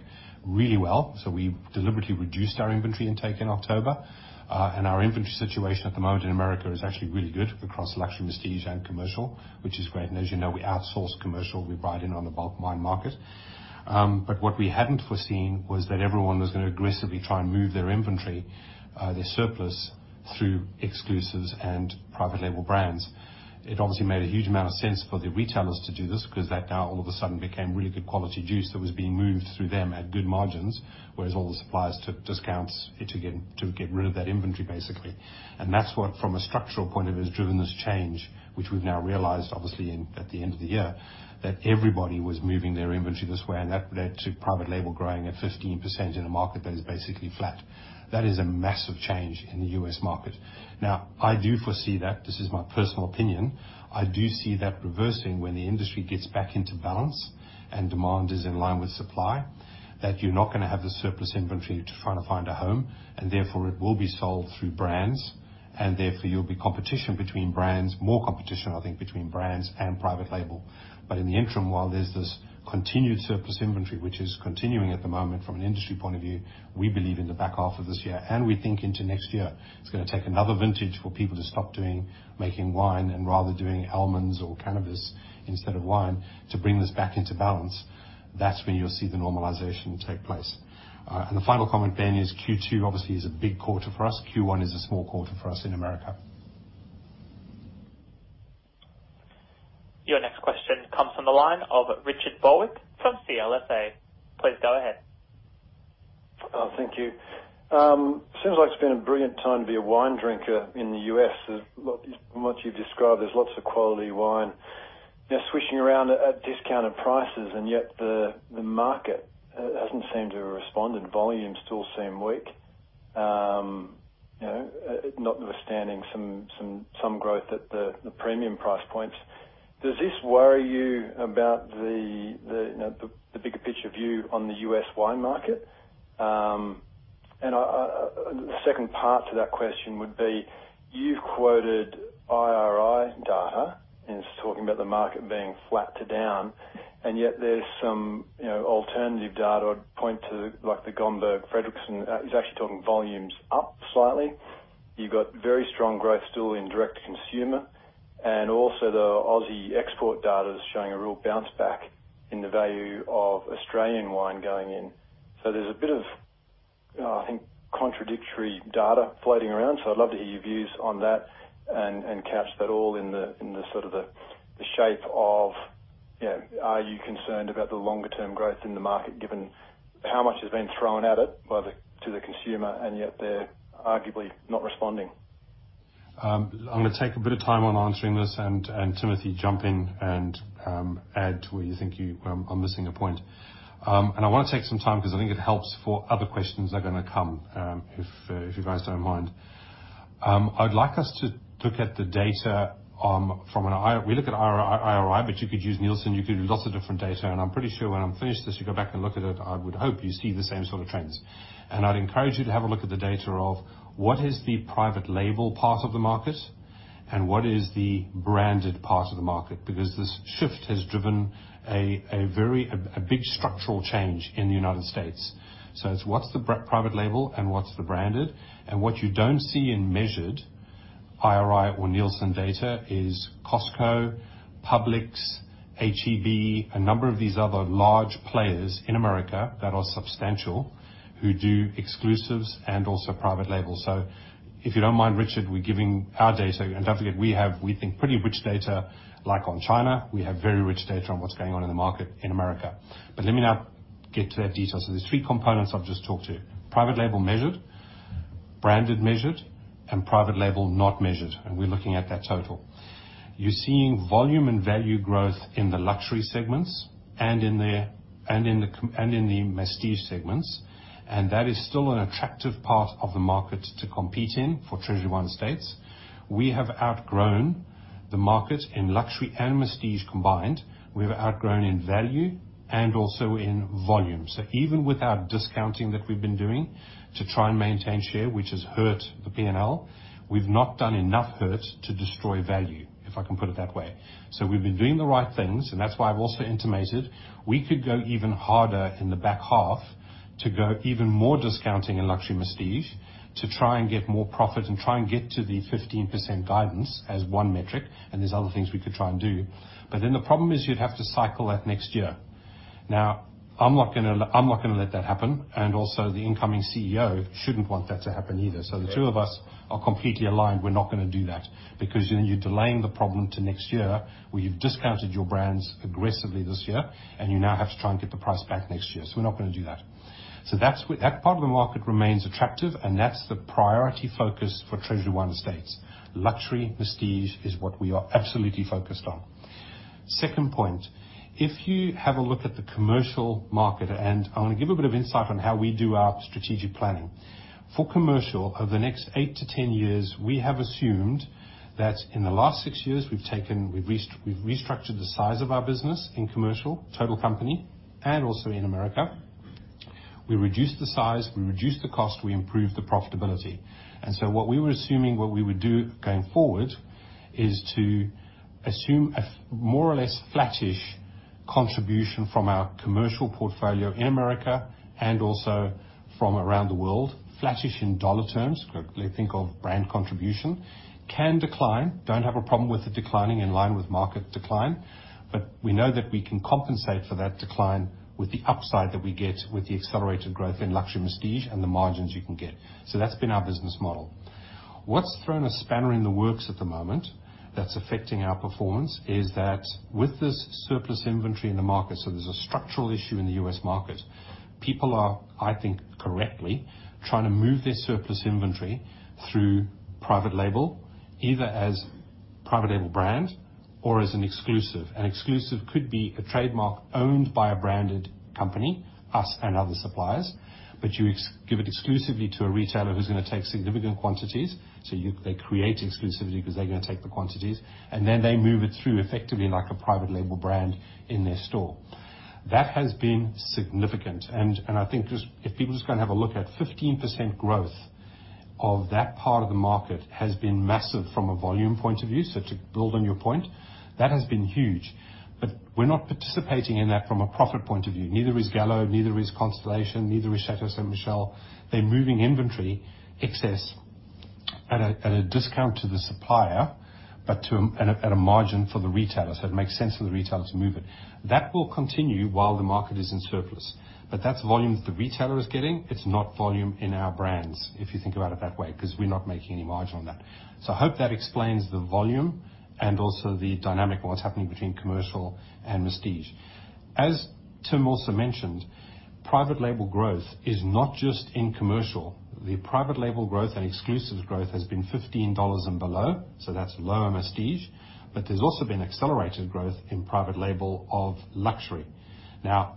really well. So we deliberately reduced our inventory intake in October. And our inventory situation at the moment in America is actually really good across luxury masstige and commercial, which is great. And as you know, we outsource commercial. We buy it in on the bulk wine market. But what we hadn't foreseen was that everyone was going to aggressively try and move their inventory, their surplus, through exclusives and private label brands. It obviously made a huge amount of sense for the retailers to do this because that now all of a sudden became really good quality juice that was being moved through them at good margins, whereas all the suppliers took discounts to get rid of that inventory, basically. And that's what, from a structural point of view, has driven this change, which we've now realized, obviously, at the end of the year, that everybody was moving their inventory this way. And that led to private label growing at 15% in a market that is basically flat. That is a massive change in the U.S. market. Now, I do foresee that. This is my personal opinion. I do see that reversing when the industry gets back into balance and demand is in line with supply, that you're not going to have the surplus inventory to try to find a home, and therefore it will be sold through brands, and therefore there'll be competition between brands, more competition, I think, between brands and private label. But in the interim, while there's this continued surplus inventory, which is continuing at the moment from an industry point of view, we believe in the back half of this year, and we think into next year, it's going to take another vintage for people to stop making wine and rather doing almonds or cannabis instead of wine to bring this back into balance. That's when you'll see the normalization take place. And the final comment, Ben, is Q2 obviously is a big quarter for us. Q1 is a small quarter for us in America. Your next question comes from the line of Richard Barwick from CLSA. Please go ahead. Thank you. It seems like it's been a brilliant time to be a wine drinker in the U.S. From what you've described, there's lots of quality wine swishing around at discounted prices, and yet the market hasn't seemed to respond, and volumes still seem weak, notwithstanding some growth at the premium price points. Does this worry you about the bigger picture view on the U.S. wine market, and the second part to that question would be you've quoted IRI data and talking about the market being flat to down, and yet there's some alternative data point to like the Gomberg, Fredrikson. He's actually talking volumes up slightly. You've got very strong growth still in direct to consumer, and also the Aussie export data is showing a real bounce back in the value of Australian wine going in. So there's a bit of, I think, contradictory data floating around. So I'd love to hear your views on that and catch that all in the sort of shape of, are you concerned about the longer-term growth in the market given how much has been thrown at it to the consumer, and yet they're arguably not responding? I'm going to take a bit of time on answering this, and Timothy, jump in and add to where you think you are missing a point, and I want to take some time because I think it helps for other questions that are going to come, if you guys don't mind. I'd like us to look at the data from an IRI. We look at IRI, but you could use Nielsen. You could use lots of different data, and I'm pretty sure when I'm finished this, you go back and look at it. I would hope you see the same sort of trends, and I'd encourage you to have a look at the data of what is the private label part of the market and what is the branded part of the market, because this shift has driven a big structural change in the United States. It's what's the private label and what's the branded. What you don't see in measured IRI or Nielsen data is Costco, Publix, H-E-B, a number of these other large players in America that are substantial who do exclusives and also private label. If you don't mind, Richard, we're giving our data. Don't forget, we have, we think, pretty rich data like on China. We have very rich data on what's going on in the market in America. Let me now get to that detail. There's three components I've just talked to: private label measured, branded measured, and private label not measured. We're looking at that total. You're seeing volume and value growth in the luxury segments and in the masstige segments. That is still an attractive part of the market to compete in for Treasury Wine Estates. We have outgrown the market in luxury and masstige combined. We have outgrown in value and also in volume. So even without discounting that we've been doing to try and maintain share, which has hurt the P&L, we've not done enough hurt to destroy value, if I can put it that way. So we've been doing the right things, and that's why I've also intimated we could go even harder in the back half to go even more discounting in luxury masstige to try and get more profit and try and get to the 15% guidance as one metric. And there's other things we could try and do. But then the problem is you'd have to cycle that next year. Now, I'm not going to let that happen. And also, the incoming CEO shouldn't want that to happen either. So the two of us are completely aligned. We're not going to do that because then you're delaying the problem to next year, where you've discounted your brands aggressively this year, and you now have to try and get the price back next year. So we're not going to do that. So that part of the market remains attractive, and that's the priority focus for Treasury Wine Estates. Luxury masstige is what we are absolutely focused on. Second point, if you have a look at the commercial market, and I'm going to give a bit of insight on how we do our strategic planning. For commercial, over the next eight to 10 years, we have assumed that in the last six years, we've restructured the size of our business in commercial, total company, and also in America. We reduced the size, we reduced the cost, we improved the profitability. And so what we were assuming, what we would do going forward, is to assume a more or less flattish contribution from our commercial portfolio in America and also from around the world. Flattish in dollar terms, think of brand contribution, can decline. Don't have a problem with it declining in line with market decline. But we know that we can compensate for that decline with the upside that we get with the accelerated growth in luxury masstige and the margins you can get. So that's been our business model. What's thrown a spanner in the works at the moment that's affecting our performance is that with this surplus inventory in the market, so there's a structural issue in the U.S. market. People are, I think correctly, trying to move their surplus inventory through private label, either as private label brand or as an exclusive. An exclusive could be a trademark owned by a branded company, us and other suppliers, but you give it exclusively to a retailer who's going to take significant quantities. So they create exclusivity because they're going to take the quantities, and then they move it through effectively like a private label brand in their store. That has been significant, and I think if people just kind of have a look at 15% growth of that part of the market has been massive from a volume point of view, so to build on your point, that has been huge, but we're not participating in that from a profit point of view. Neither is Gallo, neither is Constellation, neither is Chateau Ste. Michelle. They're moving inventory excess at a discount to the supplier, but at a margin for the retailer. So it makes sense for the retailer to move it. That will continue while the market is in surplus. But that's volume that the retailer is getting. It's not volume in our brands, if you think about it that way, because we're not making any margin on that. So I hope that explains the volume and also the dynamic of what's happening between commercial and masstige. As Tim also mentioned, private label growth is not just in commercial. The private label growth and exclusive growth has been $15 and below. So that's lower masstige. But there's also been accelerated growth in private label of luxury. Now,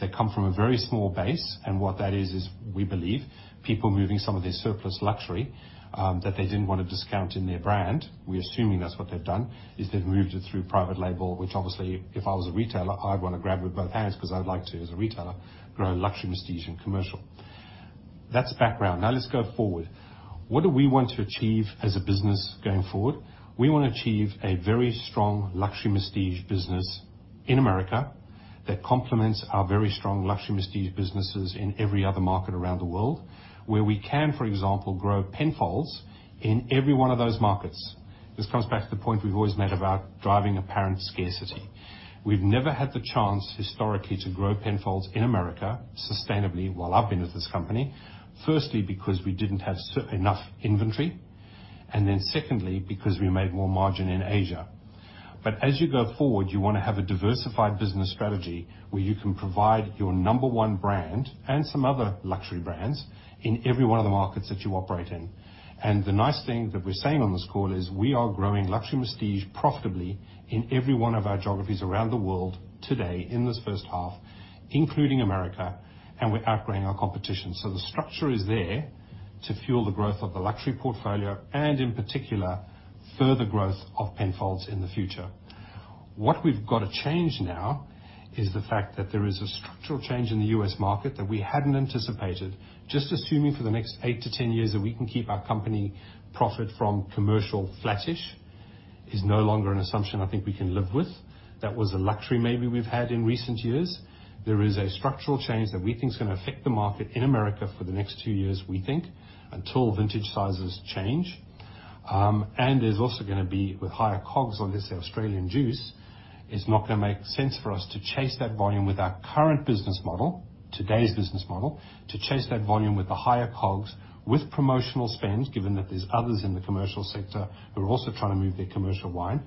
they come from a very small base, and what that is, is we believe people moving some of their surplus luxury that they didn't want to discount in their brand. We're assuming that's what they've done, is they've moved it through private label, which obviously, if I was a retailer, I'd want to grab with both hands because I'd like to, as a retailer, grow luxury masstige and commercial. That's background. Now, let's go forward. What do we want to achieve as a business going forward? We want to achieve a very strong luxury masstige business in America that complements our very strong luxury masstige businesses in every other market around the world, where we can, for example, grow Penfolds in every one of those markets. This comes back to the point we've always made about driving apparent scarcity. We've never had the chance historically to grow Penfolds in America sustainably while I've been at this company, firstly because we didn't have enough inventory, and then secondly because we made more margin in Asia. But as you go forward, you want to have a diversified business strategy where you can provide your number one brand and some other luxury brands in every one of the markets that you operate in. And the nice thing that we're saying on this call is we are growing luxury masstige profitably in every one of our geographies around the world today in this first half, including America, and we're outgrowing our competition. So the structure is there to fuel the growth of the luxury portfolio and, in particular, further growth of Penfolds in the future. What we've got to change now is the fact that there is a structural change in the U.S. market that we hadn't anticipated. Just assuming for the next eight to 10 years that we can keep our company profit from commercial flattish is no longer an assumption I think we can live with. That was a luxury maybe we've had in recent years. There is a structural change that we think is going to affect the market in America for the next two years, we think, until vintage sizes change, and there's also going to be with higher COGS, let's say Australian juice, it's not going to make sense for us to chase that volume with our current business model, today's business model, to chase that volume with the higher COGS with promotional spend, given that there's others in the commercial sector who are also trying to move their commercial wine.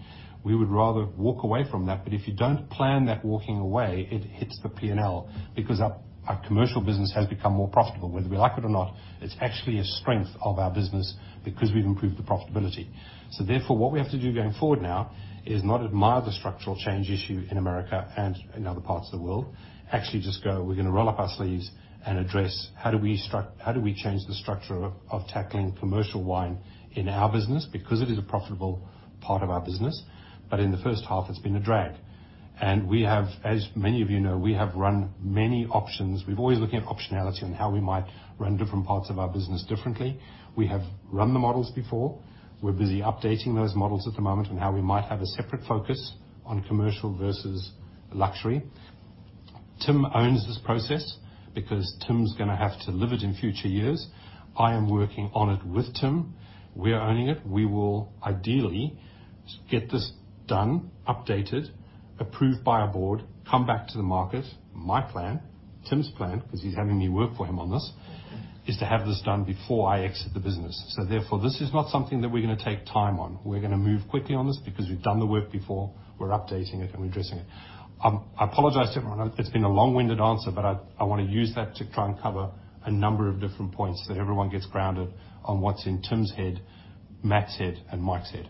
We would rather walk away from that, but if you don't plan that walking away, it hits the P&L because our commercial business has become more profitable, whether we like it or not. It's actually a strength of our business because we've improved the profitability. So therefore, what we have to do going forward now is not admire the structural change issue in America and in other parts of the world. Actually just go, we're going to roll up our sleeves and address how do we change the structure of tackling commercial wine in our business because it is a profitable part of our business. But in the first half, it's been a drag. And as many of you know, we have run many options. We've always looked at optionality and how we might run different parts of our business differently. We have run the models before. We're busy updating those models at the moment on how we might have a separate focus on commercial versus luxury. Tim owns this process because Tim's going to have to live it in future years. I am working on it with Tim. We're owning it. We will ideally get this done, updated, approved by our board, come back to the market. My plan, Tim's plan, because he's having me work for him on this, is to have this done before I exit the business. So therefore, this is not something that we're going to take time on. We're going to move quickly on this because we've done the work before. We're updating it and we're addressing it. I apologize, Tim. It's been a long-winded answer, but I want to use that to try and cover a number of different points so everyone gets grounded on what's in Tim's head, Matt's head, and Mike's head.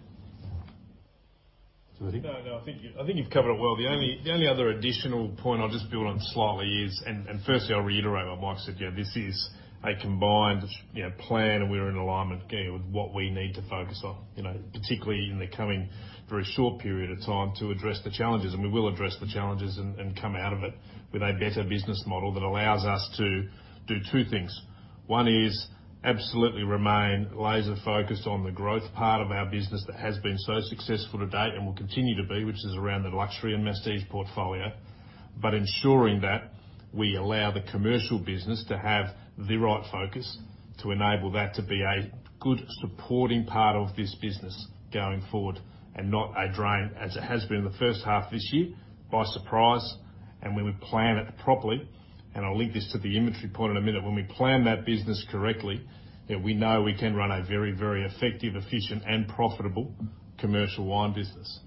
Timothy? No, no. I think you've covered it well. The only other additional point I'll just build on slightly is, and firstly, I'll reiterate what Mike said. This is a combined plan, and we're in alignment with what we need to focus on, particularly in the coming very short period of time to address the challenges. And we will address the challenges and come out of it with a better business model that allows us to do two things. One is absolutely remain laser-focused on the growth part of our business that has been so successful to date and will continue to be, which is around the luxury and masstige portfolio, but ensuring that we allow the commercial business to have the right focus to enable that to be a good supporting part of this business going forward and not a drain, as it has been in the first half of this year by surprise. And when we plan it properly, and I'll link this to the inventory point in a minute, when we plan that business correctly, we know we can run a very, very effective, efficient, and profitable commercial wine business.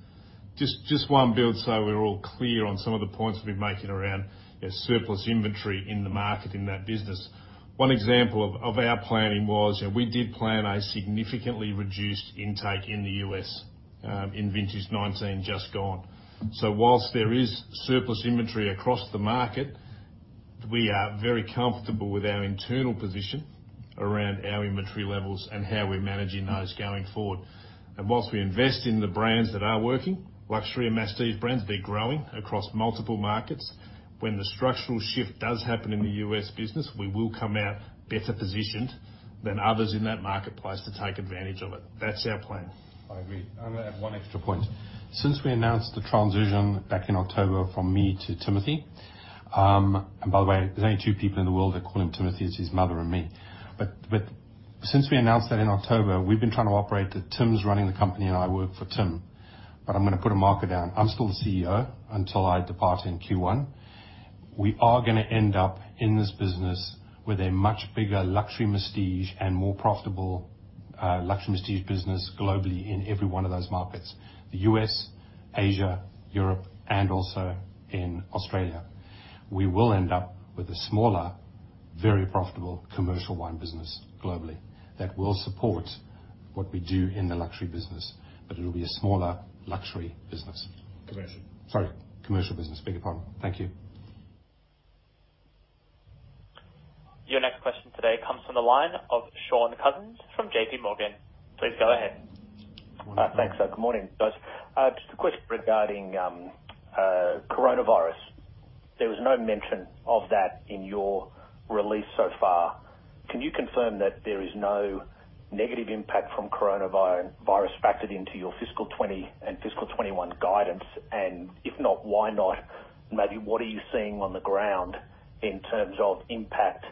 Just want to build so we're all clear on some of the points we're making around surplus inventory in the market in that business. One example of our planning was we did plan a significantly reduced intake in the U.S. in vintage '19 just gone. So while there is surplus inventory across the market, we are very comfortable with our internal position around our inventory levels and how we're managing those going forward. And while we invest in the brands that are working, luxury and masstige brands, they're growing across multiple markets. When the structural shift does happen in the U.S. business, we will come out better positioned than others in that marketplace to take advantage of it. That's our plan. I agree. I'm going to add one extra point. Since we announced the transition back in October from me to Timothy and by the way, there's only two people in the world that call him Timothy. It's his mother and me, but since we announced that in October, we've been trying to operate that Tim's running the company and I work for Tim, but I'm going to put a marker down. I'm still the CEO until I depart in Q1. We are going to end up in this business with a much bigger luxury masstige and more profitable luxury masstige business globally in every one of those markets: the U.S., Asia, Europe, and also in Australia. We will end up with a smaller, very profitable commercial wine business globally that will support what we do in the luxury business, but it'll be a smaller luxury business. Commercial. Sorry. Commercial business. I beg your pardon. Thank you. Your next question today comes from the line of Shaun Cousins from J.P. Morgan. Please go ahead. Thanks, Sir. Good morning, guys. Just a quick question regarding coronavirus. There was no mention of that in your release so far. Can you confirm that there is no negative impact from coronavirus factored into your fiscal 2020 and fiscal 2021 guidance? And if not, why not? And maybe what are you seeing on the ground in terms of impact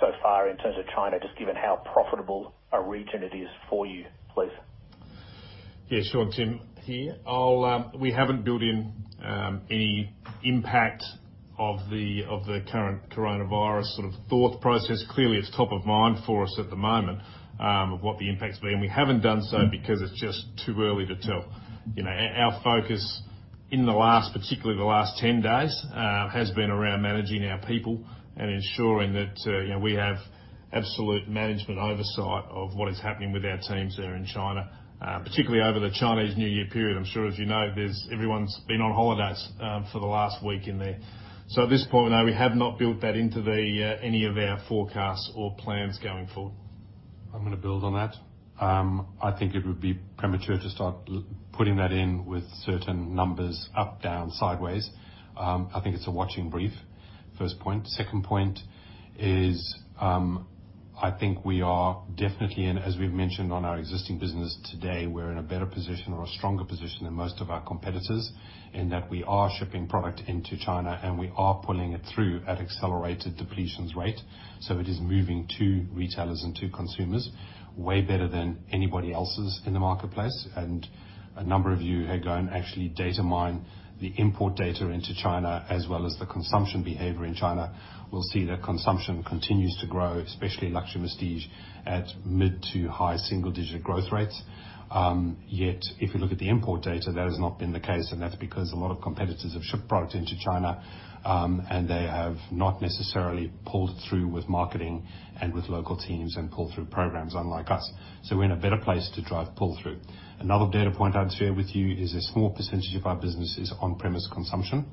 so far in terms of China, just given how profitable a region it is for you, please? Yeah, Shaun, Tim here. We haven't built in any impact of the current coronavirus sort of thought process. Clearly, it's top of mind for us at the moment of what the impact's been. We haven't done so because it's just too early to tell. Our focus in the last, particularly the last 10 days, has been around managing our people and ensuring that we have absolute management oversight of what is happening with our teams there in China, particularly over the Chinese New Year period. I'm sure, as you know, everyone's been on holidays for the last week in there. So at this point, no, we have not built that into any of our forecasts or plans going forward. I'm going to build on that. I think it would be premature to start putting that in with certain numbers up, down, sideways. I think it's a watching brief, first point. Second point is I think we are definitely in, as we've mentioned on our existing business today, we're in a better position or a stronger position than most of our competitors in that we are shipping product into China and we are pulling it through at accelerated depletions rate. So it is moving to retailers and to consumers way better than anybody else's in the marketplace. And a number of you who are going to actually data mine the import data into China as well as the consumption behavior in China, we'll see that consumption continues to grow, especially luxury masstige at mid to high single-digit growth rates. Yet if you look at the import data, that has not been the case, and that's because a lot of competitors have shipped product into China and they have not necessarily pulled through with marketing and with local teams and pulled through programs, unlike us, so we're in a better place to drive pull-through. Another data point I'd share with you is a small percentage of our business is on-premise consumption,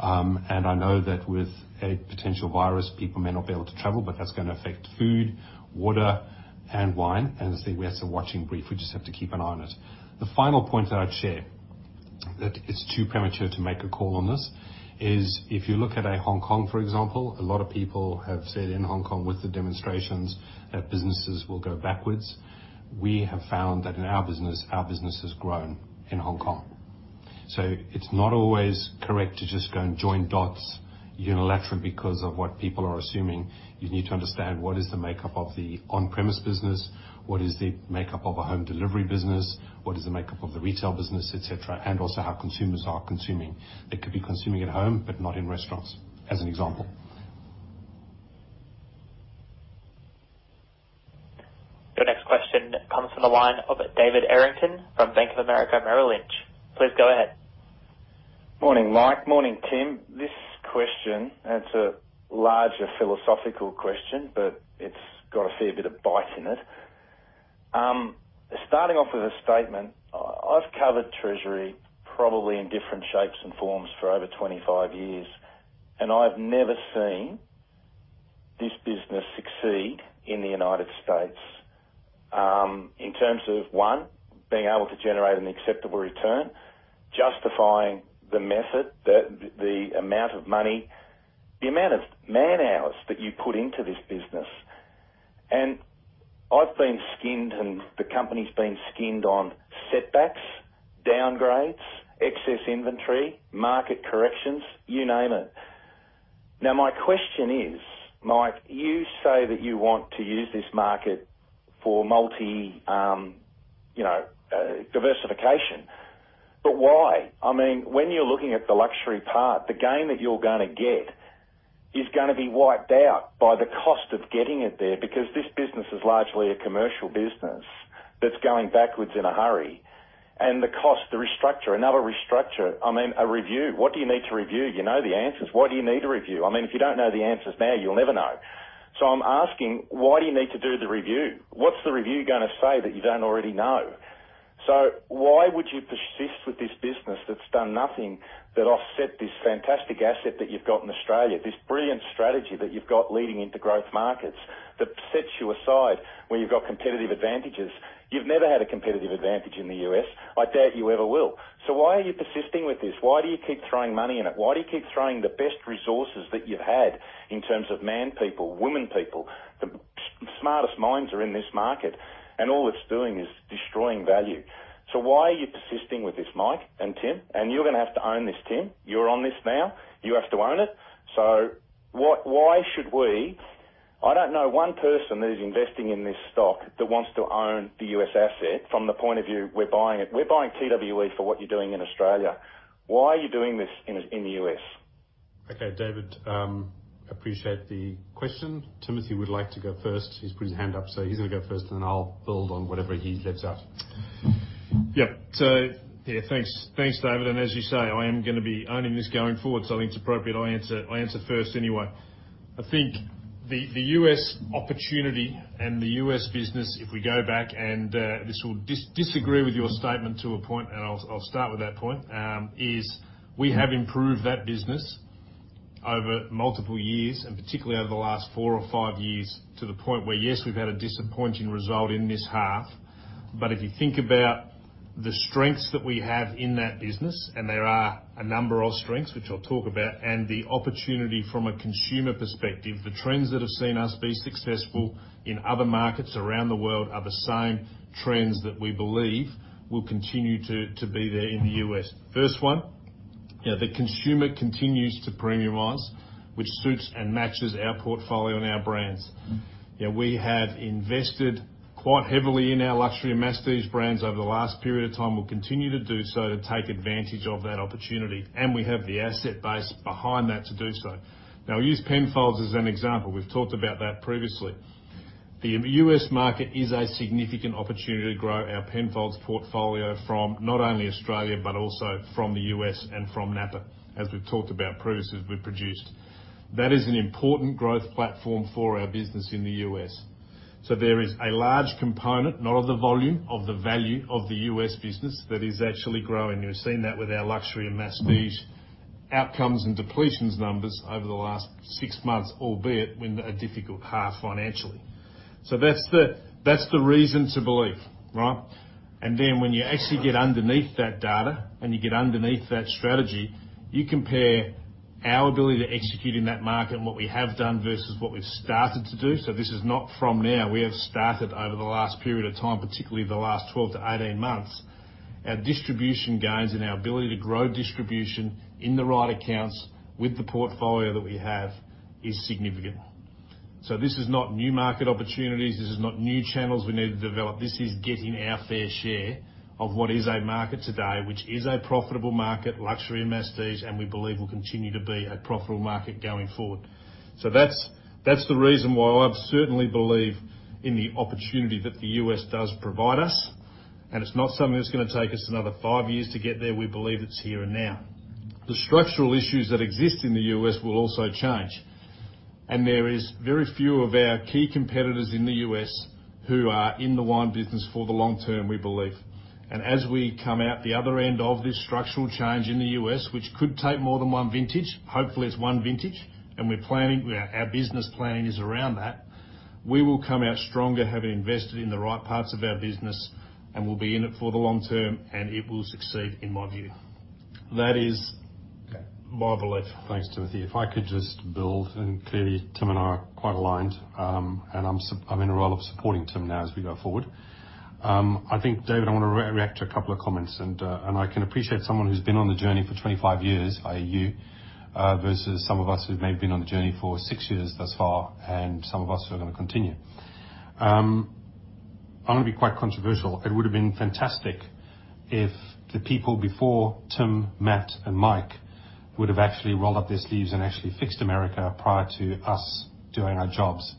and I know that with a potential virus, people may not be able to travel, but that's going to affect food, water, and wine, and I think we have to watch in brief. We just have to keep an eye on it. The final point that I'd share that it's too premature to make a call on this is if you look at Hong Kong, for example, a lot of people have said in Hong Kong with the demonstrations that businesses will go backwards. We have found that in our business, our business has grown in Hong Kong. So it's not always correct to just go and join dots unilaterally because of what people are assuming. You need to understand what is the makeup of the on-premise business, what is the makeup of a home delivery business, what is the makeup of the retail business, etc., and also how consumers are consuming. They could be consuming at home, but not in restaurants, as an example. Your next question comes from the line of David Errington from Bank of America Merrill Lynch. Please go ahead. Morning, Mike. Morning, Tim. This question is a larger philosophical question, but it's got a fair bit of bite in it. Starting off with a statement, I've covered Treasury probably in different shapes and forms for over 25 years, and I've never seen this business succeed in the United States in terms of, one, being able to generate an acceptable return, justifying the method, the amount of money, the amount of man-hours that you put into this business. And I've been skinned, and the company's been skinned on setbacks, downgrades, excess inventory, market corrections, you name it. Now, my question is, Mike, you say that you want to use this market for multi-diversification, but why? I mean, when you're looking at the luxury part, the gain that you're going to get is going to be wiped out by the cost of getting it there because this business is largely a commercial business that's going backwards in a hurry, and the cost, the restructure, another restructure, I mean, a review. What do you need to review? You know the answers. What do you need to review? I mean, if you don't know the answers now, you'll never know, so I'm asking, why do you need to do the review? What's the review going to say that you don't already know? so why would you persist with this business that's done nothing that offsets this fantastic asset that you've got in Australia, this brilliant strategy that you've got leading into growth markets that sets you aside where you've got competitive advantages? You've never had a competitive advantage in the U.S. I doubt you ever will. So why are you persisting with this? Why do you keep throwing money in it? Why do you keep throwing the best resources that you've had in terms of man-people, women-people? The smartest minds are in this market, and all it's doing is destroying value. So why are you persisting with this, Mike and Tim? And you're going to have to own this, Tim. You're on this now. You have to own it. So why should we? I don't know one person that is investing in this stock that wants to own the U.S. asset from the point of view, "We're buying it. We're buying TWE for what you're doing in Australia." Why are you doing this in the U.S.? Okay, David, appreciate the question. Timothy would like to go first. He's put his hand up, so he's going to go first, and then I'll build on whatever he lets out. Yeah. So yeah, thanks, David. And as you say, I am going to be owning this going forward, so I think it's appropriate I answer first anyway. I think the U.S. opportunity and the U.S. business, if we go back, and this will disagree with your statement to a point, and I'll start with that point, is we have improved that business over multiple years and particularly over the last four or five years to the point where, yes, we've had a disappointing result in this half. But if you think about the strengths that we have in that business, and there are a number of strengths, which I'll talk about, and the opportunity from a consumer perspective, the trends that have seen us be successful in other markets around the world are the same trends that we believe will continue to be there in the U.S. First one, the consumer continues to premiumize, which suits and matches our portfolio and our brands. We have invested quite heavily in our luxury and masstige brands over the last period of time. We'll continue to do so to take advantage of that opportunity. And we have the asset base behind that to do so. Now, I'll use Penfolds as an example. We've talked about that previously. The U.S. market is a significant opportunity to grow our Penfolds portfolio from not only Australia, but also from the U.S. and from Napa, as we've talked about previously as we've produced. That is an important growth platform for our business in the U.S. So there is a large component, not of the volume, of the value of the U.S. business that is actually growing. We've seen that with our luxury and masstige outcomes and depletions numbers over the last six months, albeit in a difficult half financially. So that's the reason to believe, right, and then when you actually get underneath that data and you get underneath that strategy, you compare our ability to execute in that market and what we have done versus what we've started to do, so this is not from now. We have started over the last period of time, particularly the last 12 to 18 months. Our distribution gains and our ability to grow distribution in the right accounts with the portfolio that we have is significant, so this is not new market opportunities. This is not new channels we need to develop. This is getting our fair share of what is a market today, which is a profitable market, luxury and masstige, and we believe will continue to be a profitable market going forward, so that's the reason why I certainly believe in the opportunity that the U.S. does provide us, and it's not something that's going to take us another five years to get there. We believe it's here and now. The structural issues that exist in the U.S. will also change. There are very few of our key competitors in the U.S. who are in the wine business for the long term, we believe. As we come out the other end of this structural change in the U.S., which could take more than one vintage, hopefully it's one vintage, and we're planning, our business planning is around that, we will come out stronger having invested in the right parts of our business, and we'll be in it for the long term, and it will succeed, in my view. That is my belief. Thanks, Timothy. If I could just build, and clearly, Tim and I are quite aligned, and I'm in a role of supporting Tim now as we go forward. I think, David, I want to react to a couple of comments, and I can appreciate someone who's been on the journey for 25 years, i.e., you, versus some of us who've maybe been on the journey for six years thus far, and some of us who are going to continue. I'm going to be quite controversial. It would have been fantastic if the people before Tim, Matt, and Mike would have actually rolled up their sleeves and actually fixed America prior to us doing our jobs.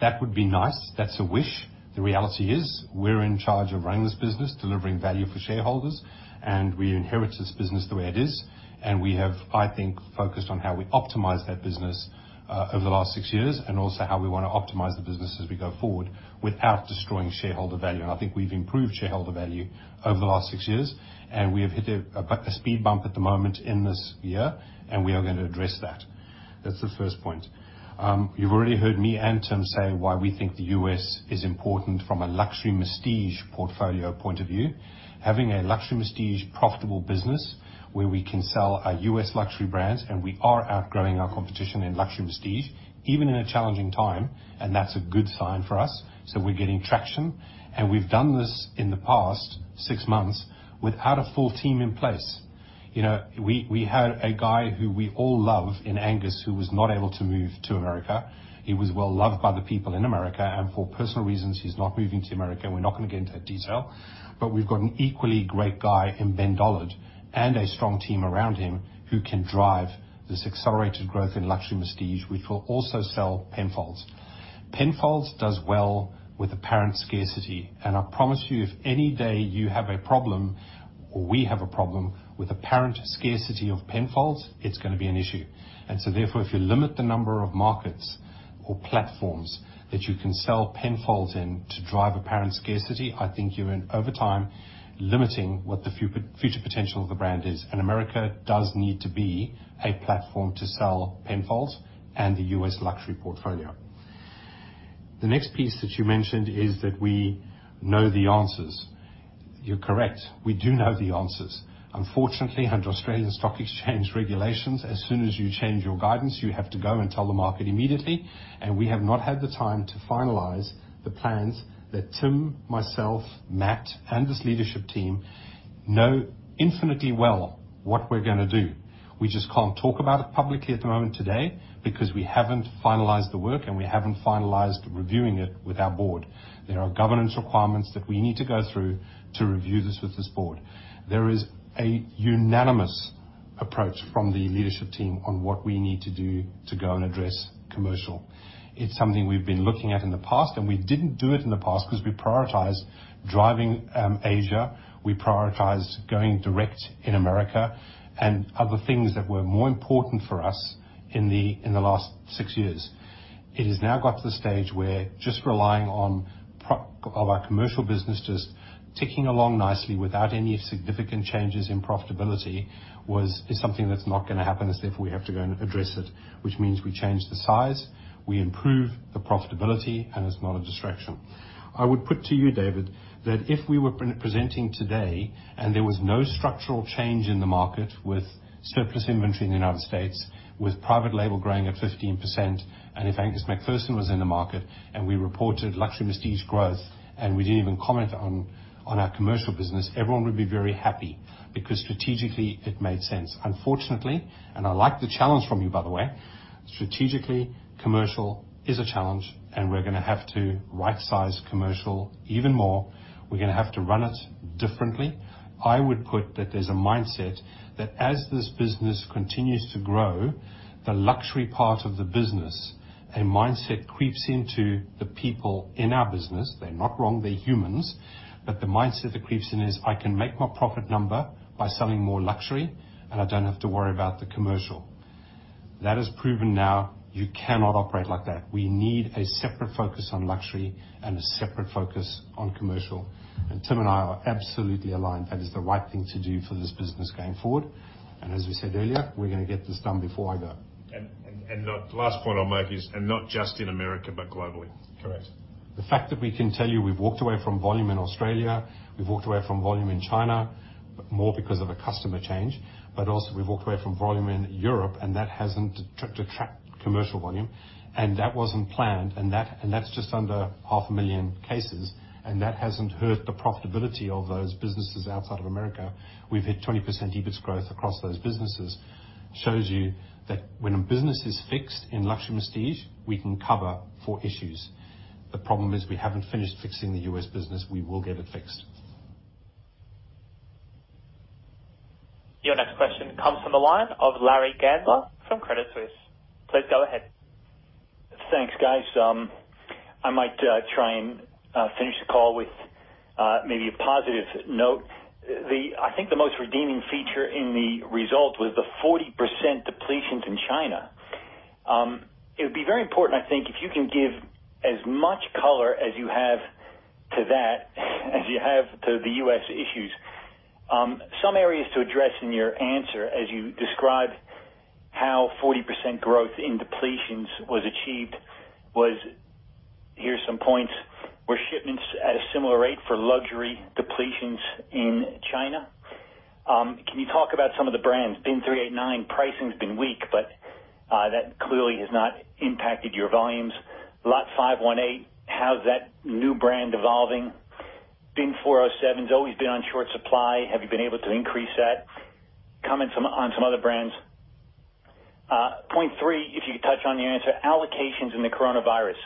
That would be nice. That's a wish. The reality is we're in charge of running this business, delivering value for shareholders, and we inherit this business the way it is. And we have, I think, focused on how we optimize that business over the last six years and also how we want to optimize the business as we go forward without destroying shareholder value. And I think we've improved shareholder value over the last six years, and we have hit a speed bump at the moment in this year, and we are going to address that. That's the first point. You've already heard me and Tim say why we think the U.S. is important from a luxury masstige portfolio point of view. Having a luxury masstige profitable business where we can sell our U.S. luxury brands, and we are outgrowing our competition in luxury masstige, even in a challenging time, and that's a good sign for us. So we're getting traction. And we've done this in the past six months without a full team in place. We had a guy who we all love in Angus who was not able to move to America. He was well loved by the people in America, and for personal reasons, he's not moving to America. We're not going to get into that detail, but we've got an equally great guy in Ben Dollard and a strong team around him who can drive this accelerated growth in luxury masstige, which will also sell Penfolds. Penfolds does well with apparent scarcity, and I promise you, if any day you have a problem or we have a problem with apparent scarcity of Penfolds, it's going to be an issue, and so therefore, if you limit the number of markets or platforms that you can sell Penfolds in to drive apparent scarcity, I think you're in overtime limiting what the future potential of the brand is. America does need to be a platform to sell Penfolds and the U.S. luxury portfolio. The next piece that you mentioned is that we know the answers. You're correct. We do know the answers. Unfortunately, under Australian stock exchange regulations, as soon as you change your guidance, you have to go and tell the market immediately. We have not had the time to finalize the plans that Tim, myself, Matt, and this leadership team know infinitely well what we're going to do. We just can't talk about it publicly at the moment today because we haven't finalized the work, and we haven't finalized reviewing it with our board. There are governance requirements that we need to go through to review this with this board. There is a unanimous approach from the leadership team on what we need to do to go and address commercial. It's something we've been looking at in the past, and we didn't do it in the past because we prioritized driving Asia. We prioritized going direct in America and other things that were more important for us in the last six years. It has now got to the stage where just relying on our commercial business, just ticking along nicely without any significant changes in profitability, is something that's not going to happen. And so therefore, we have to go and address it, which means we change the size, we improve the profitability, and it's not a distraction. I would put to you, David, that if we were presenting today and there was no structural change in the market with surplus inventory in the United States, with private label growing at 15%, and if Angus McPherson was in the market and we reported luxury masstige growth and we didn't even comment on our commercial business, everyone would be very happy because strategically it made sense. Unfortunately, and I like the challenge from you, by the way, strategically commercial is a challenge, and we're going to have to right-size commercial even more. We're going to have to run it differently. I would put that there's a mindset that as this business continues to grow, the luxury part of the business, a mindset creeps into the people in our business. They're not wrong. They're humans. But the mindset that creeps in is, "I can make my profit number by selling more luxury, and I don't have to worry about the commercial." That is proven now. You cannot operate like that. We need a separate focus on luxury and a separate focus on commercial. And Tim and I are absolutely aligned. That is the right thing to do for this business going forward. And as we said earlier, we're going to get this done before I go. The last point I'll make is, and not just in America, but globally. Correct. The fact that we can tell you we've walked away from volume in Australia, we've walked away from volume in China more because of a customer change, but also we've walked away from volume in Europe, and that hasn't detracted commercial volume, and that wasn't planned, and that's just under 500,000 cases, and that hasn't hurt the profitability of those businesses outside of America. We've hit 20% EBIT growth across those businesses. Shows you that when a business is fixed in luxury masstige, we can cover four issues. The problem is we haven't finished fixing the U.S. business. We will get it fixed. Your next question comes from the line of Larry Gandler from Credit Suisse. Please go ahead. Thanks, guys. I might try and finish the call with maybe a positive note. I think the most redeeming feature in the result was the 40% depletions in China. It would be very important, I think, if you can give as much color as you have to that, as you have to the U.S. issues. Some areas to address in your answer as you describe how 40% growth in depletions was achieved. Here's some points. Were shipments at a similar rate for luxury depletions in China? Can you talk about some of the brands? Bin 389, pricing has been weak, but that clearly has not impacted your volumes. Lot 518, how's that new brand evolving? Bin 407 has always been on short supply. Have you been able to increase that? Comments on some other brands. Point three, if you could touch on your answer, allocations in the coronavirus.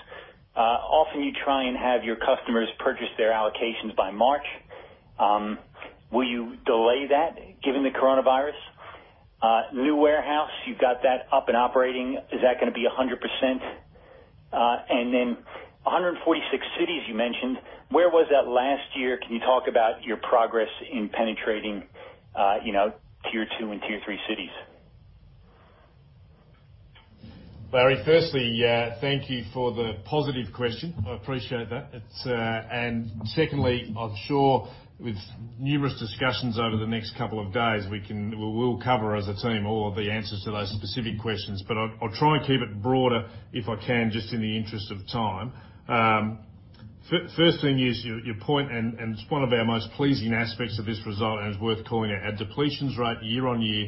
Often you try and have your customers purchase their allocations by March. Will you delay that given the coronavirus? New warehouse, you've got that up and operating. Is that going to be 100%? And then 146 cities you mentioned. Where was that last year? Can you talk about your progress in penetrating tier two and tier three cities? Larry, firstly, thank you for the positive question. I appreciate that. And secondly, I'm sure with numerous discussions over the next couple of days, we will cover as a team all of the answers to those specific questions. But I'll try and keep it broader if I can just in the interest of time. First thing is your point, and it's one of our most pleasing aspects of this result, and it's worth calling it a depletions rate year on year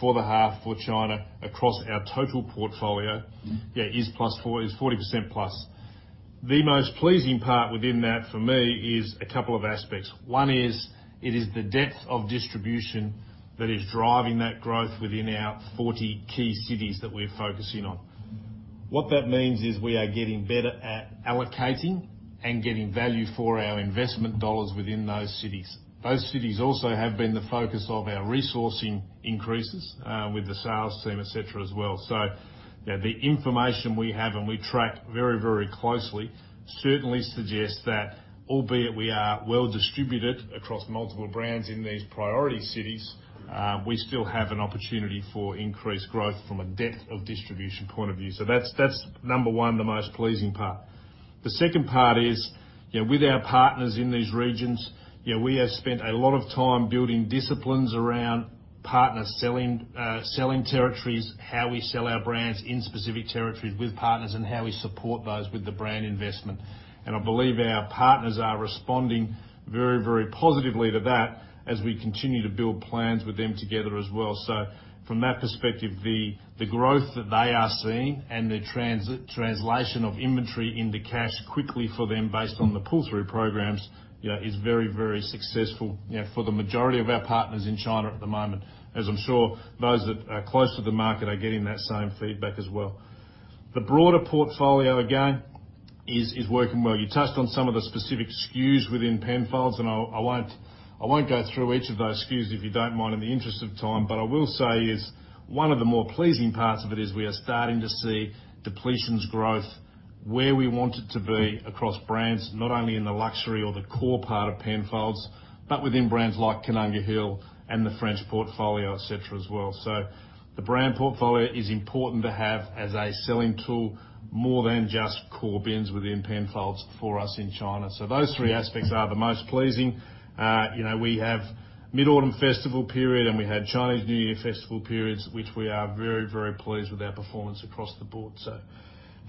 for the half for China across our total portfolio, yeah, is plus 40% plus. The most pleasing part within that for me is a couple of aspects. One is it is the depth of distribution that is driving that growth within our 40 key cities that we're focusing on. What that means is we are getting better at allocating and getting value for our investment dollars within those cities. Those cities also have been the focus of our resourcing increases with the sales team, etc., as well. So the information we have and we track very, very closely certainly suggests that, albeit we are well distributed across multiple brands in these priority cities, we still have an opportunity for increased growth from a depth of distribution point of view. So that's number one, the most pleasing part. The second part is with our partners in these regions, we have spent a lot of time building disciplines around partner selling territories, how we sell our brands in specific territories with partners, and how we support those with the brand investment. And I believe our partners are responding very, very positively to that as we continue to build plans with them together as well. So from that perspective, the growth that they are seeing and the translation of inventory into cash quickly for them based on the pull-through programs is very, very successful for the majority of our partners in China at the moment, as I'm sure those that are close to the market are getting that same feedback as well. The broader portfolio again is working well. You touched on some of the specific SKUs within Penfolds, and I won't go through each of those SKUs if you don't mind in the interest of time. But I will say one of the more pleasing parts of it is we are starting to see depletions growth where we want it to be across brands, not only in the luxury or the core part of Penfolds, but within brands like Koonunga Hill and the French portfolio, etc., as well. So the brand portfolio is important to have as a selling tool more than just core bins within Penfolds for us in China. So those three aspects are the most pleasing. We have Mid-Autumn Festival period, and we had Chinese New Year Festival periods, which we are very, very pleased with our performance across the board.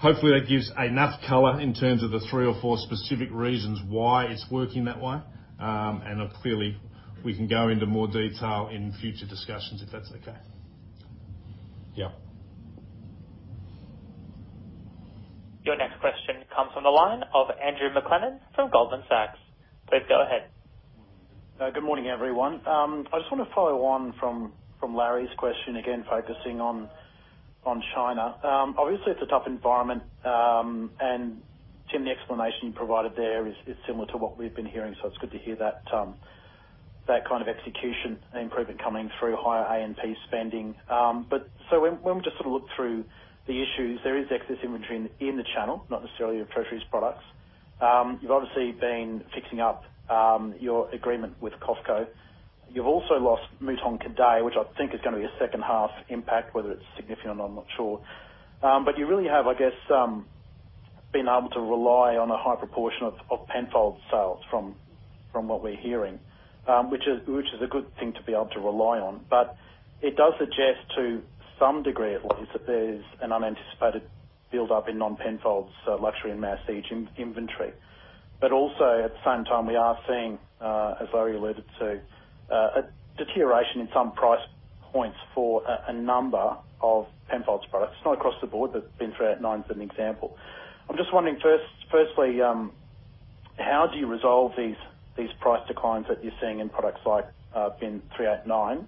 So hopefully that gives enough color in terms of the three or four specific reasons why it's working that way. And clearly, we can go into more detail in future discussions if that's okay. Yep. Your next question comes from the line of Andrew McLennan from Goldman Sachs. Please go ahead. Good morning, everyone. I just want to follow on from Larry's question, again, focusing on China. Obviously, it's a tough environment, and Tim, the explanation you provided there is similar to what we've been hearing, so it's good to hear that kind of execution improvement coming through higher A&P spending. But when we just sort of look through the issues, there is excess inventory in the channel, not necessarily of Treasury's products. You've obviously been fixing up your agreement with Costco. You've also lost Mouton Cadet, which I think is going to be a second-half impact, whether it's significant or not, I'm not sure. But you really have, I guess, been able to rely on a high proportion of Penfolds sales from what we're hearing, which is a good thing to be able to rely on. But it does suggest to some degree, at least, that there's an unanticipated build-up in non-Penfolds luxury and mass inventory. But also, at the same time, we are seeing, as Larry alluded to, a deterioration in some price points for a number of Penfolds products. It's not across the board, but Bin 389 is an example. I'm just wondering, firstly, how do you resolve these price declines that you're seeing in products like Bin 389?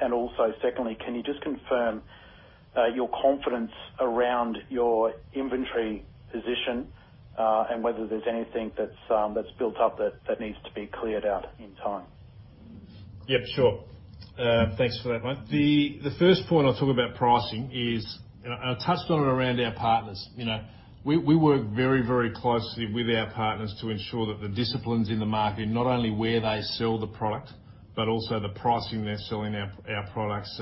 And also, secondly, can you just confirm your confidence around your inventory position and whether there's anything that's built up that needs to be cleared out in time? Yep, sure. Thanks for that, mate. The first point I'll talk about pricing is, and I touched on it around our partners. We work very, very closely with our partners to ensure that the disciplines in the market, not only where they sell the product, but also the pricing they're selling our products,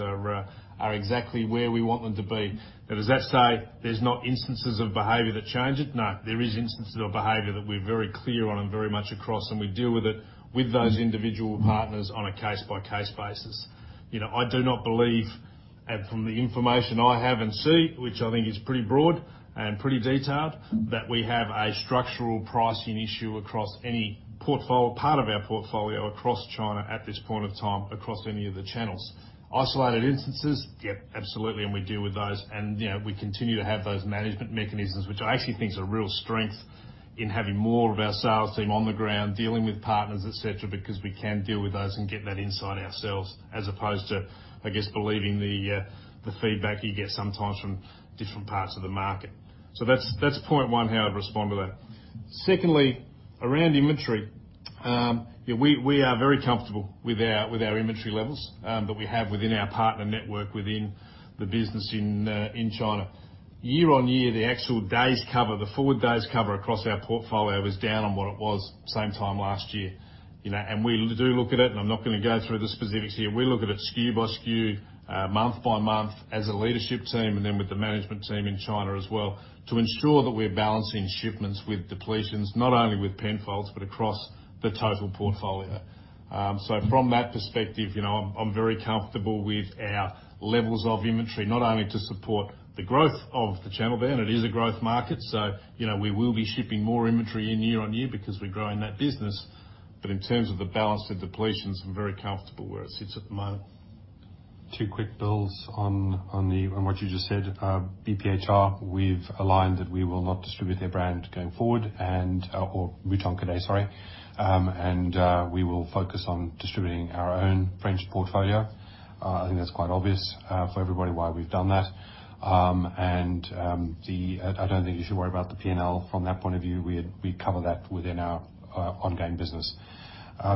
are exactly where we want them to be. Now, does that say there's not instances of behavior that change it? No, there are instances of behavior that we're very clear on and very much across, and we deal with it with those individual partners on a case-by-case basis. I do not believe, and from the information I have and see, which I think is pretty broad and pretty detailed, that we have a structural pricing issue across any part of our portfolio across China at this point of time, across any of the channels. Isolated instances? Yep, absolutely. And we deal with those. And we continue to have those management mechanisms, which I actually think is a real strength in having more of our sales team on the ground dealing with partners, etc., because we can deal with those and get that insight ourselves, as opposed to, I guess, believing the feedback you get sometimes from different parts of the market. So that's point one, how I'd respond to that. Secondly, around inventory, we are very comfortable with our inventory levels that we have within our partner network within the business in China. Year on year, the actual days cover, the forward days cover across our portfolio is down on what it was same time last year. And we do look at it, and I'm not going to go through the specifics here. We look at it SKU by SKU, month by month, as a leadership team, and then with the management team in China as well, to ensure that we're balancing shipments with depletions, not only with Penfolds, but across the total portfolio. So from that perspective, I'm very comfortable with our levels of inventory, not only to support the growth of the channel there, and it is a growth market. So we will be shipping more inventory in year on year because we're growing that business. But in terms of the balance of depletions, I'm very comfortable where it sits at the moment. Two quick builds on what you just said. BPDR, we've aligned that we will not distribute their brand going forward, or Mouton Cadet, sorry, and we will focus on distributing our own French portfolio. I think that's quite obvious for everybody why we've done that, and I don't think you should worry about the P&L from that point of view. We cover that within our ongoing business.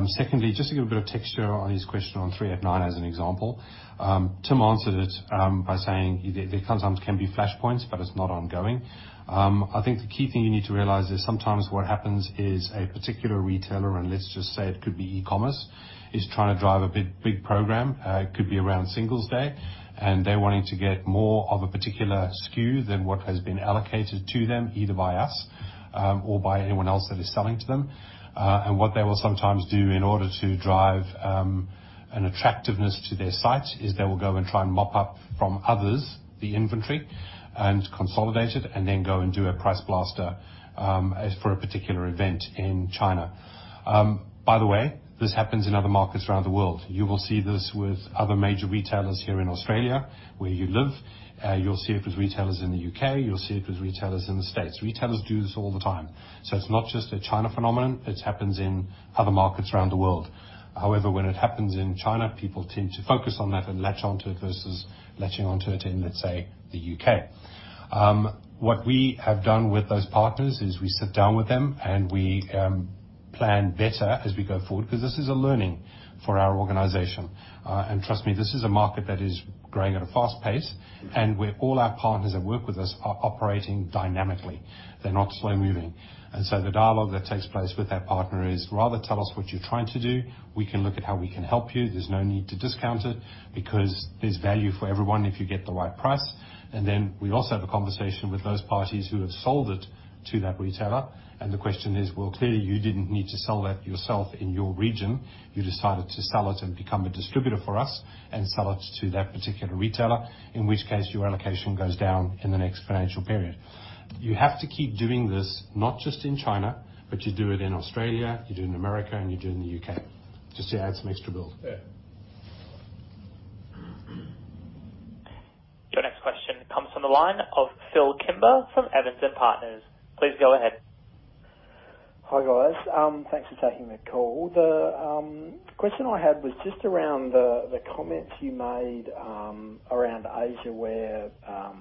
Secondly, just to give a bit of texture on his question on 389 as an example, Tim answered it by saying there can be flashpoints, but it's not ongoing. I think the key thing you need to realize is sometimes what happens is a particular retailer, and let's just say it could be e-commerce, is trying to drive a big program. It could be around Singles' Day, and they're wanting to get more of a particular SKU than what has been allocated to them, either by us or by anyone else that is selling to them. And what they will sometimes do in order to drive an attractiveness to their sites is they will go and try and mop up from others the inventory and consolidate it, and then go and do a price blaster for a particular event in China. By the way, this happens in other markets around the world. You will see this with other major retailers here in Australia where you live. You'll see it with retailers in the U.K. You'll see it with retailers in the States. Retailers do this all the time. So it's not just a China phenomenon. It happens in other markets around the world. However, when it happens in China, people tend to focus on that and latch onto it versus latching onto it in, let's say, the U.K. What we have done with those partners is we sit down with them and we plan better as we go forward because this is a learning for our organization. And trust me, this is a market that is growing at a fast pace, and all our partners that work with us are operating dynamically. They're not slow-moving. And so the dialogue that takes place with that partner is, "Rather tell us what you're trying to do. We can look at how we can help you. There's no need to discount it because there's value for everyone if you get the right price." And then we also have a conversation with those parties who have sold it to that retailer. And the question is, "Well, clearly, you didn't need to sell that yourself in your region. You decided to sell it and become a distributor for us and sell it to that particular retailer, in which case your allocation goes down in the next financial period." You have to keep doing this not just in China, but you do it in Australia, you do it in America, and you do it in the U.K. Just to add some extra build. Yeah. Your next question comes from the line of Phil Kimber from Evans & Partners. Please go ahead. Hi, guys. Thanks for taking the call. The question I had was just around the comments you made around Asia where, I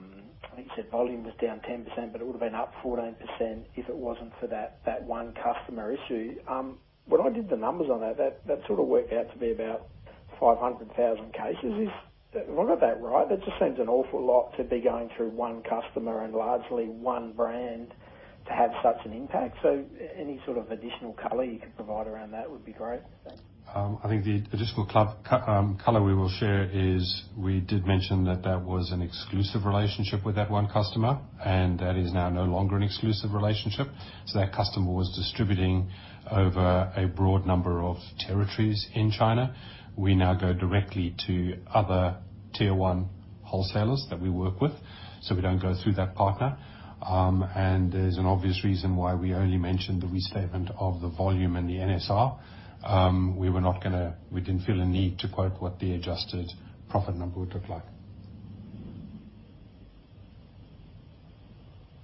think you said volume was down 10%, but it would have been up 14% if it wasn't for that one customer issue. When I did the numbers on that, that sort of worked out to be about 500,000 cases. Have I got that right? That just seems an awful lot to be going through one customer and largely one brand to have such an impact. So any sort of additional color you could provide around that would be great. I think the additional color we will share is we did mention that that was an exclusive relationship with that one customer, and that is now no longer an exclusive relationship. So that customer was distributing over a broad number of territories in China. We now go directly to other tier-one wholesalers that we work with, so we don't go through that partner. And there's an obvious reason why we only mentioned the restatement of the volume and the NSR. We were not going to. We didn't feel a need to quote what the adjusted profit number would look like.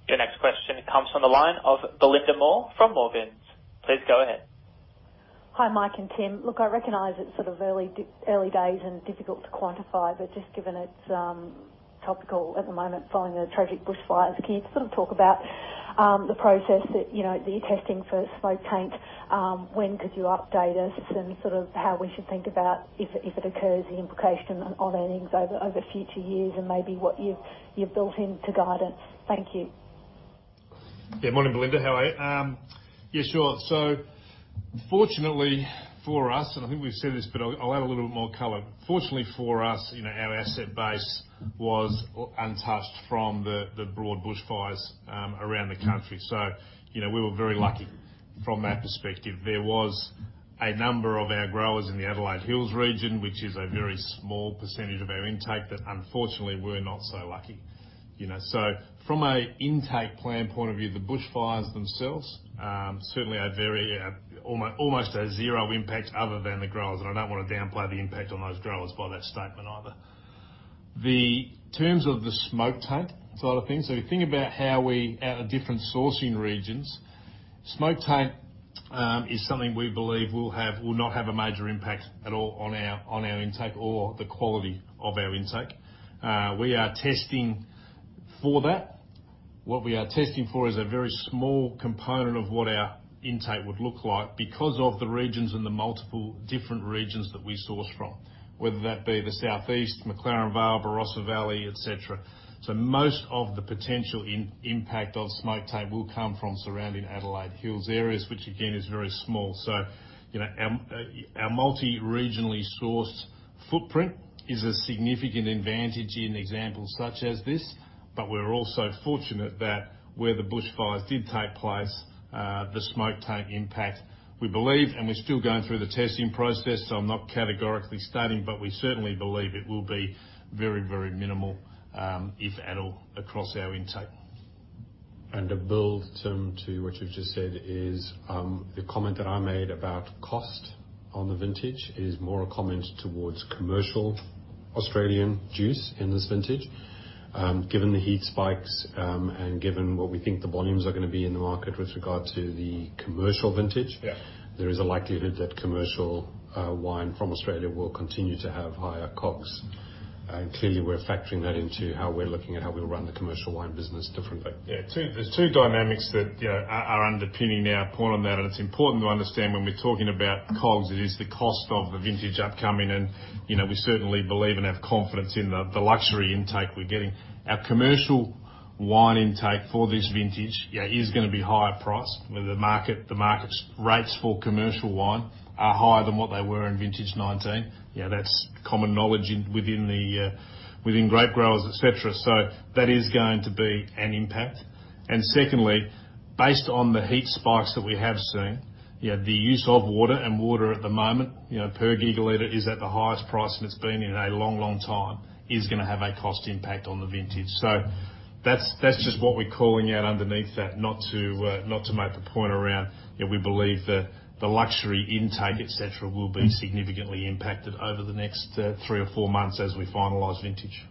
Your next question comes from the line of Belinda Moore from Morgans. Please go ahead. Hi, Mike and Tim. Look, I recognize it's sort of early days and difficult to quantify, but just given it's topical at the moment following the tragic bushfires, can you sort of talk about the process that you're testing for smoke taint? When could you update us and sort of how we should think about, if it occurs, the implication on things over future years and maybe what you've built into guidance? Thank you. Yeah. Morning, Belinda. How are you? Yeah, sure. So fortunately for us, and I think we've said this, but I'll add a little bit more color. Fortunately for us, our asset base was untouched from the broad bushfires around the country. So we were very lucky from that perspective. There was a number of our growers in the Adelaide Hills region, which is a very small percentage of our intake, that unfortunately we're not so lucky. So from an intake plan point of view, the bushfires themselves, certainly almost a zero impact other than the growers, and I don't want to downplay the impact on those growers by that statement either. The terms of the smoke taint side of things, so if you think about how we at different sourcing regions, smoke taint is something we believe will not have a major impact at all on our intake or the quality of our intake. We are testing for that. What we are testing for is a very small component of what our intake would look like because of the regions and the multiple different regions that we source from, whether that be the South East, McLaren Vale, Barossa Valley, etc. So most of the potential impact of smoke taint will come from surrounding Adelaide Hills areas, which again is very small. So our multi-regionally sourced footprint is a significant advantage in examples such as this, but we're also fortunate that where the bushfires did take place, the smoke taint impact, we believe, and we're still going through the testing process, so I'm not categorically stating, but we certainly believe it will be very, very minimal, if at all, across our intake. And to build, Tim, to what you've just said is the comment that I made about cost on the vintage is more a comment towards commercial Australian juice in this vintage. Given the heat spikes and given what we think the volumes are going to be in the market with regard to the commercial vintage, there is a likelihood that commercial wine from Australia will continue to have higher COGS. And clearly, we're factoring that into how we're looking at how we'll run the commercial wine business differently. Yeah. There's two dynamics that are underpinning our point on that. And it's important to understand when we're talking about COGS, it is the cost of the vintage upcoming. And we certainly believe and have confidence in the luxury intake we're getting. Our commercial wine intake for this vintage is going to be higher priced. The market rates for commercial wine are higher than what they were in vintage 2019. That's common knowledge within grape growers, etc. So that is going to be an impact. And secondly, based on the heat spikes that we have seen, the use of water and water at the moment, per gigaliter, is at the highest price and it's been in a long, long time, is going to have a cost impact on the vintage. So that's just what we're calling out underneath that, not to make the point around we believe the luxury intake, etc., will be significantly impacted over the next three or four months as we finalize vintage.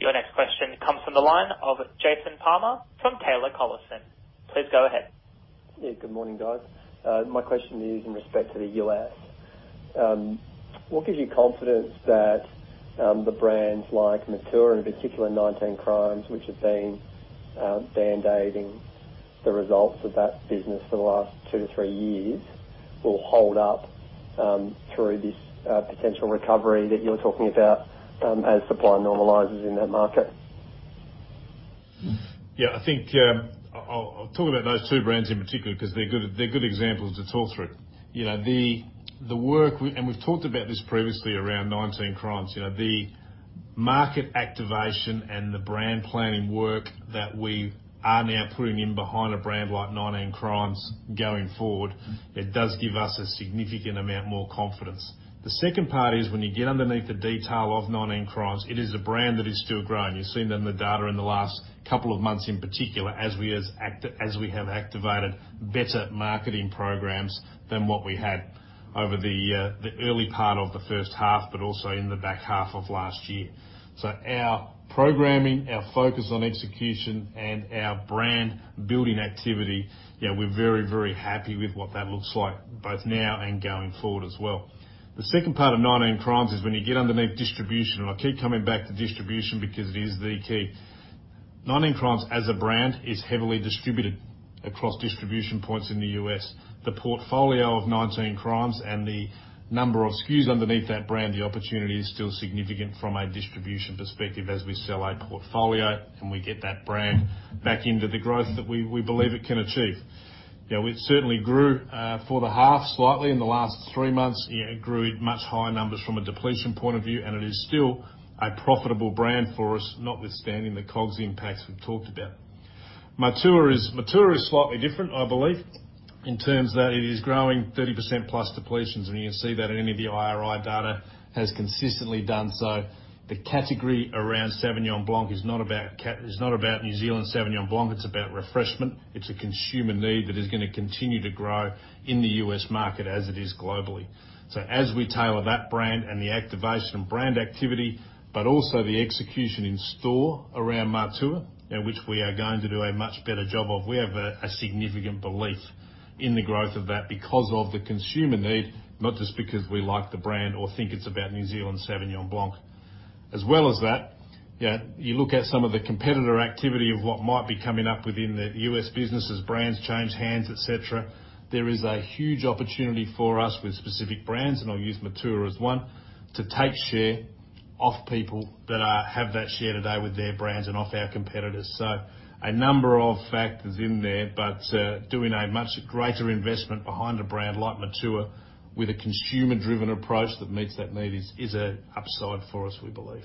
Your next question comes from the line of Jason Palmer from Taylor Collison. Please go ahead. Yeah. Good morning, guys. My question is in respect to the U.S. What gives you confidence that the brands like Matua, in particular, 19 Crimes, which have been band-aiding the results of that business for the last two to three years, will hold up through this potential recovery that you're talking about as supply normalizes in that market? Yeah. I'll talk about those two brands in particular because they're good examples to talk through, and we've talked about this previously around 19 Crimes. The market activation and the brand planning work that we are now putting in behind a brand like 19 Crimes going forward, it does give us a significant amount more confidence. The second part is when you get underneath the detail of 19 Crimes, it is a brand that is still growing. You've seen it in the data in the last couple of months in particular as we have activated better marketing programs than what we had over the early part of the first half, but also in the back half of last year, so our programming, our focus on execution, and our brand-building activity, we're very, very happy with what that looks like, both now and going forward as well. The second part of 19 Crimes is when you get underneath distribution, and I keep coming back to distribution because it is the key. 19 Crimes as a brand is heavily distributed across distribution points in the U.S. The portfolio of 19 Crimes and the number of SKUs underneath that brand, the opportunity is still significant from a distribution perspective as we sell our portfolio and we get that brand back into the growth that we believe it can achieve. It certainly grew for the half slightly in the last three months. It grew much higher numbers from a depletion point of view, and it is still a profitable brand for us, notwithstanding the COGS impacts we've talked about. Matua is slightly different, I believe, in terms that it is growing 30% plus depletions, and you can see that in any of the IRI data has consistently done so. The category around Sauvignon Blanc is not about New Zealand Sauvignon Blanc. It's about refreshment. It's a consumer need that is going to continue to grow in the U.S. market as it is globally. So as we tailor that brand and the activation of brand activity, but also the execution in store around Matua, which we are going to do a much better job of, we have a significant belief in the growth of that because of the consumer need, not just because we like the brand or think it's about New Zealand Sauvignon Blanc. As well as that, you look at some of the competitor activity of what might be coming up within the U.S. businesses, brands change hands, etc. There is a huge opportunity for us with specific brands, and I'll use Matua as one, to take share off people that have that share today with their brands and off our competitors. So a number of factors in there, but doing a much greater investment behind a brand like Matua with a consumer-driven approach that meets that need is an upside for us, we believe.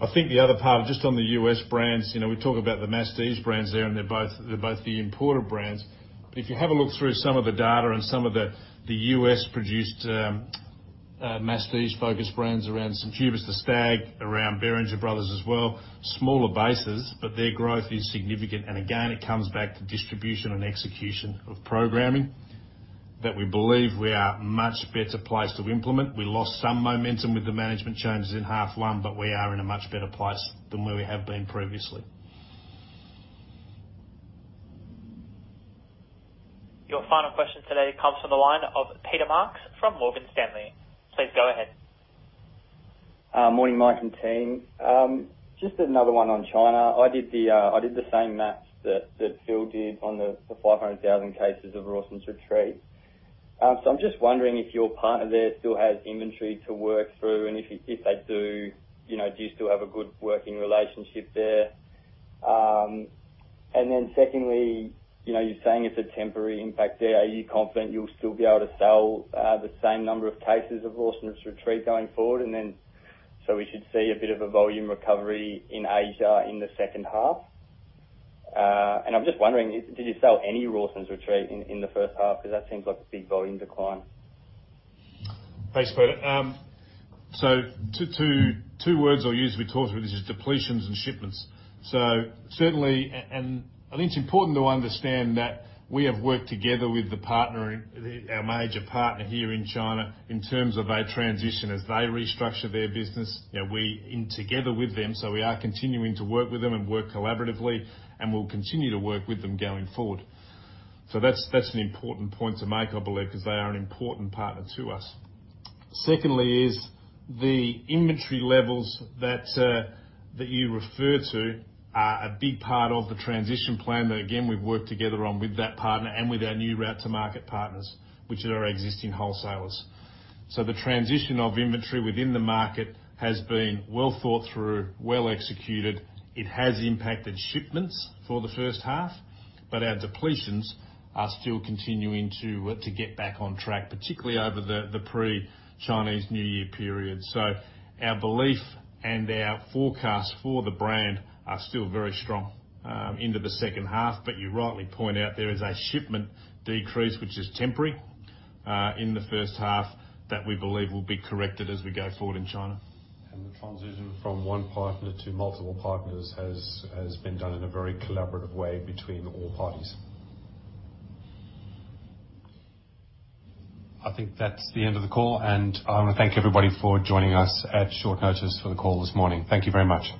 I think the other part, just on the U.S. brands, we talk about the masstige brands there, and they're both the importer brands. But if you have a look through some of the data and some of the U.S.-produced masstige-focused brands around St Huberts The Stag, around Beringer Brothers as well, smaller bases, but their growth is significant. And again, it comes back to distribution and execution of programming that we believe we are a much better place to implement. We lost some momentum with the management changes in half one, but we are in a much better place than where we have been previously. Your final question today comes from the line of Peter Marks from Morgan Stanley. Please go ahead. Morning, Mike and Tim. Just another one on China. I did the same math that Phil did on the 500,000 cases of Rawson's Retreat. So I'm just wondering if your partner there still has inventory to work through, and if they do, do you still have a good working relationship there? And then secondly, you're saying it's a temporary impact there. Are you confident you'll still be able to sell the same number of cases of Rawson's Retreat going forward? And then so we should see a bit of a volume recovery in Asia in the second half. And I'm just wondering, did you sell any Rawson's Retreat in the first half? Because that seems like a big volume decline. Thanks, Peter. So two words I'll use as we talk through this is depletions and shipments. And I think it's important to understand that we have worked together with our major partner here in China in terms of our transition as they restructure their business. We are in together with them, so we are continuing to work with them and work collaboratively, and we'll continue to work with them going forward. So that's an important point to make, I believe, because they are an important partner to us. Secondly is the inventory levels that you refer to are a big part of the transition plan that, again, we've worked together on with that partner and with our new route-to-market partners, which are our existing wholesalers. So the transition of inventory within the market has been well thought through, well executed. It has impacted shipments for the first half, but our depletions are still continuing to get back on track, particularly over the pre-Chinese New Year period. So our belief and our forecast for the brand are still very strong into the second half. But you rightly point out there is a shipment decrease, which is temporary in the first half, that we believe will be corrected as we go forward in China. The transition from one partner to multiple partners has been done in a very collaborative way between all parties. I think that's the end of the call, and I want to thank everybody for joining us at short notice for the call this morning. Thank you very much.